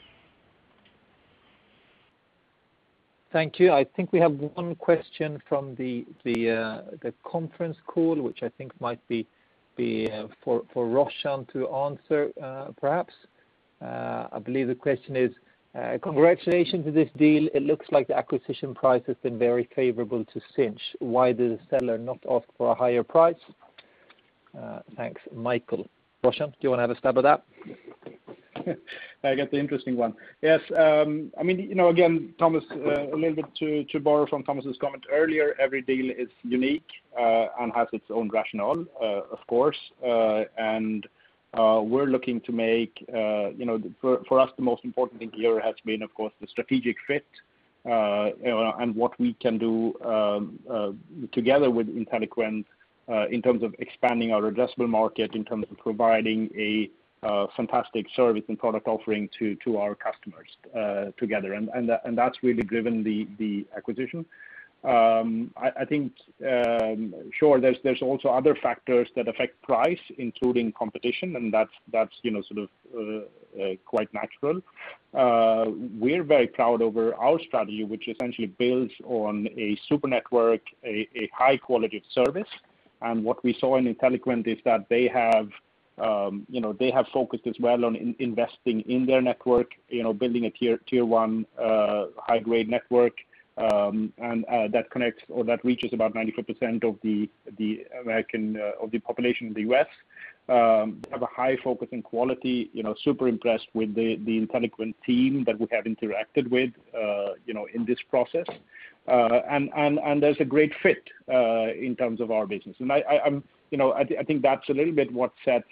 Thank you. I think we have one question from the conference call, which I think might be for Roshan to answer, perhaps. I believe the question is, "Congratulations on this deal. It looks like the acquisition price has been very favorable to Sinch. Why did the seller not ask for a higher price? Thanks. Michael." Roshan, do you want to have a stab at that? I get the interesting one. Yes. Again, Thomas, a little bit to borrow from Thomas' comment earlier, every deal is unique and has its own rationale, of course. We're looking to make, for us, the most important thing here has been, of course, the strategic fit, and what we can do together with Inteliquent in terms of expanding our addressable market, in terms of providing a fantastic service and product offering to our customers together, and that's really driven the acquisition. I think, sure, there's also other factors that affect price, including competition, and that's quite natural. We're very proud over our strategy, which essentially builds on a super network, a high quality of service. What we saw in Inteliquent is that they have focused as well on investing in their network, building a tier 1, high-grade network, and that connects or that reaches about 94% of the population of the U.S., have a high focus in quality. Super impressed with the Inteliquent team that we have interacted with in this process. There's a great fit in terms of our business. I think that's a little bit what sets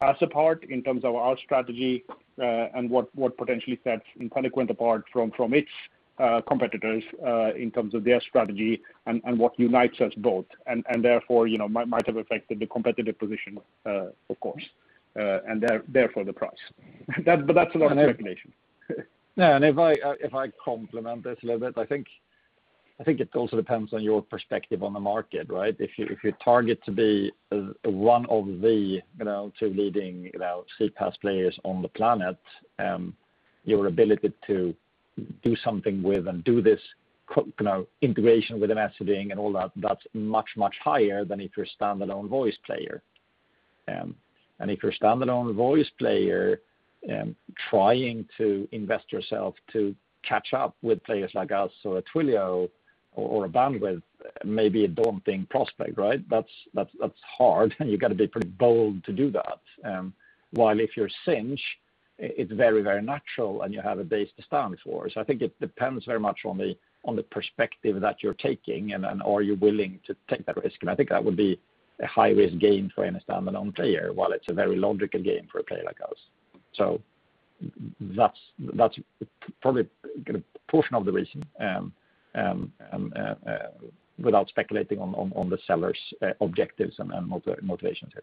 us apart in terms of our strategy, and what potentially sets Inteliquent apart from its competitors, in terms of their strategy and what unites us both. Therefore, might have affected the competitive position, of course, and therefore the price. That's a lot of speculation. Yeah, if I complement this a little bit, I think it also depends on your perspective on the market, right? If you target to be one of the two leading CPaaS players on the planet, your ability to do something with and do this integration with the messaging and all that's much, much higher than if you're a standalone voice player. If you're a standalone voice player, trying to invest yourself to catch up with players like us or a Twilio or a Bandwidth, maybe a daunting prospect, right? That's hard, and you've got to be pretty bold to do that. While if you're Sinch, it's very natural, and you have a base to start from. I think it depends very much on the perspective that you're taking, and are you willing to take that risk? I think that would be a high-risk game for any standalone player, while it's a very logical game for a player like us. That's probably portion of the reason, without speculating on the seller's objectives and motivations here.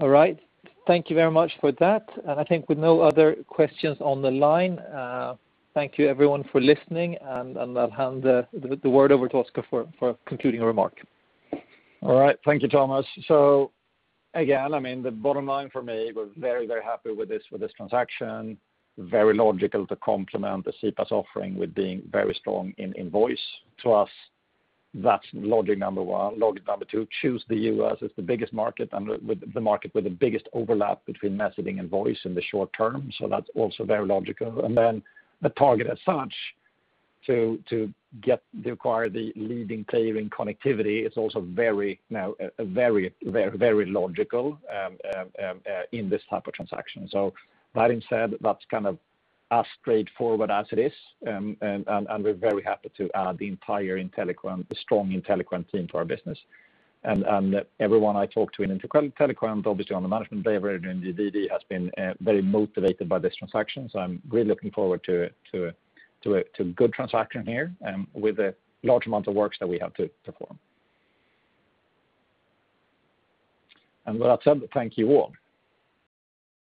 All right. Thank you very much for that. I think with no other questions on the line, thank you everyone for listening, and I'll hand the word over to Oscar for concluding remark. Thank you, Thomas. Again, the bottom line for me, we're very happy with this transaction. Very logical to complement the CPaaS offering with being very strong in voice. To us, that's logic number one. Logic number two, choose the U.S. It's the biggest market and the market with the biggest overlap between messaging and voice in the short term, that's also very logical. The target as such, to acquire the leading player in connectivity is also very logical in this type of transaction. That instead, that's as straightforward as it is. We're very happy to add the entire strong Inteliquent team to our business. Everyone I talk to in Inteliquent, obviously on the management level and the DD, has been very motivated by this transaction. I'm really looking forward to good transaction here, with the large amount of works that we have to perform. With that said, thank you all.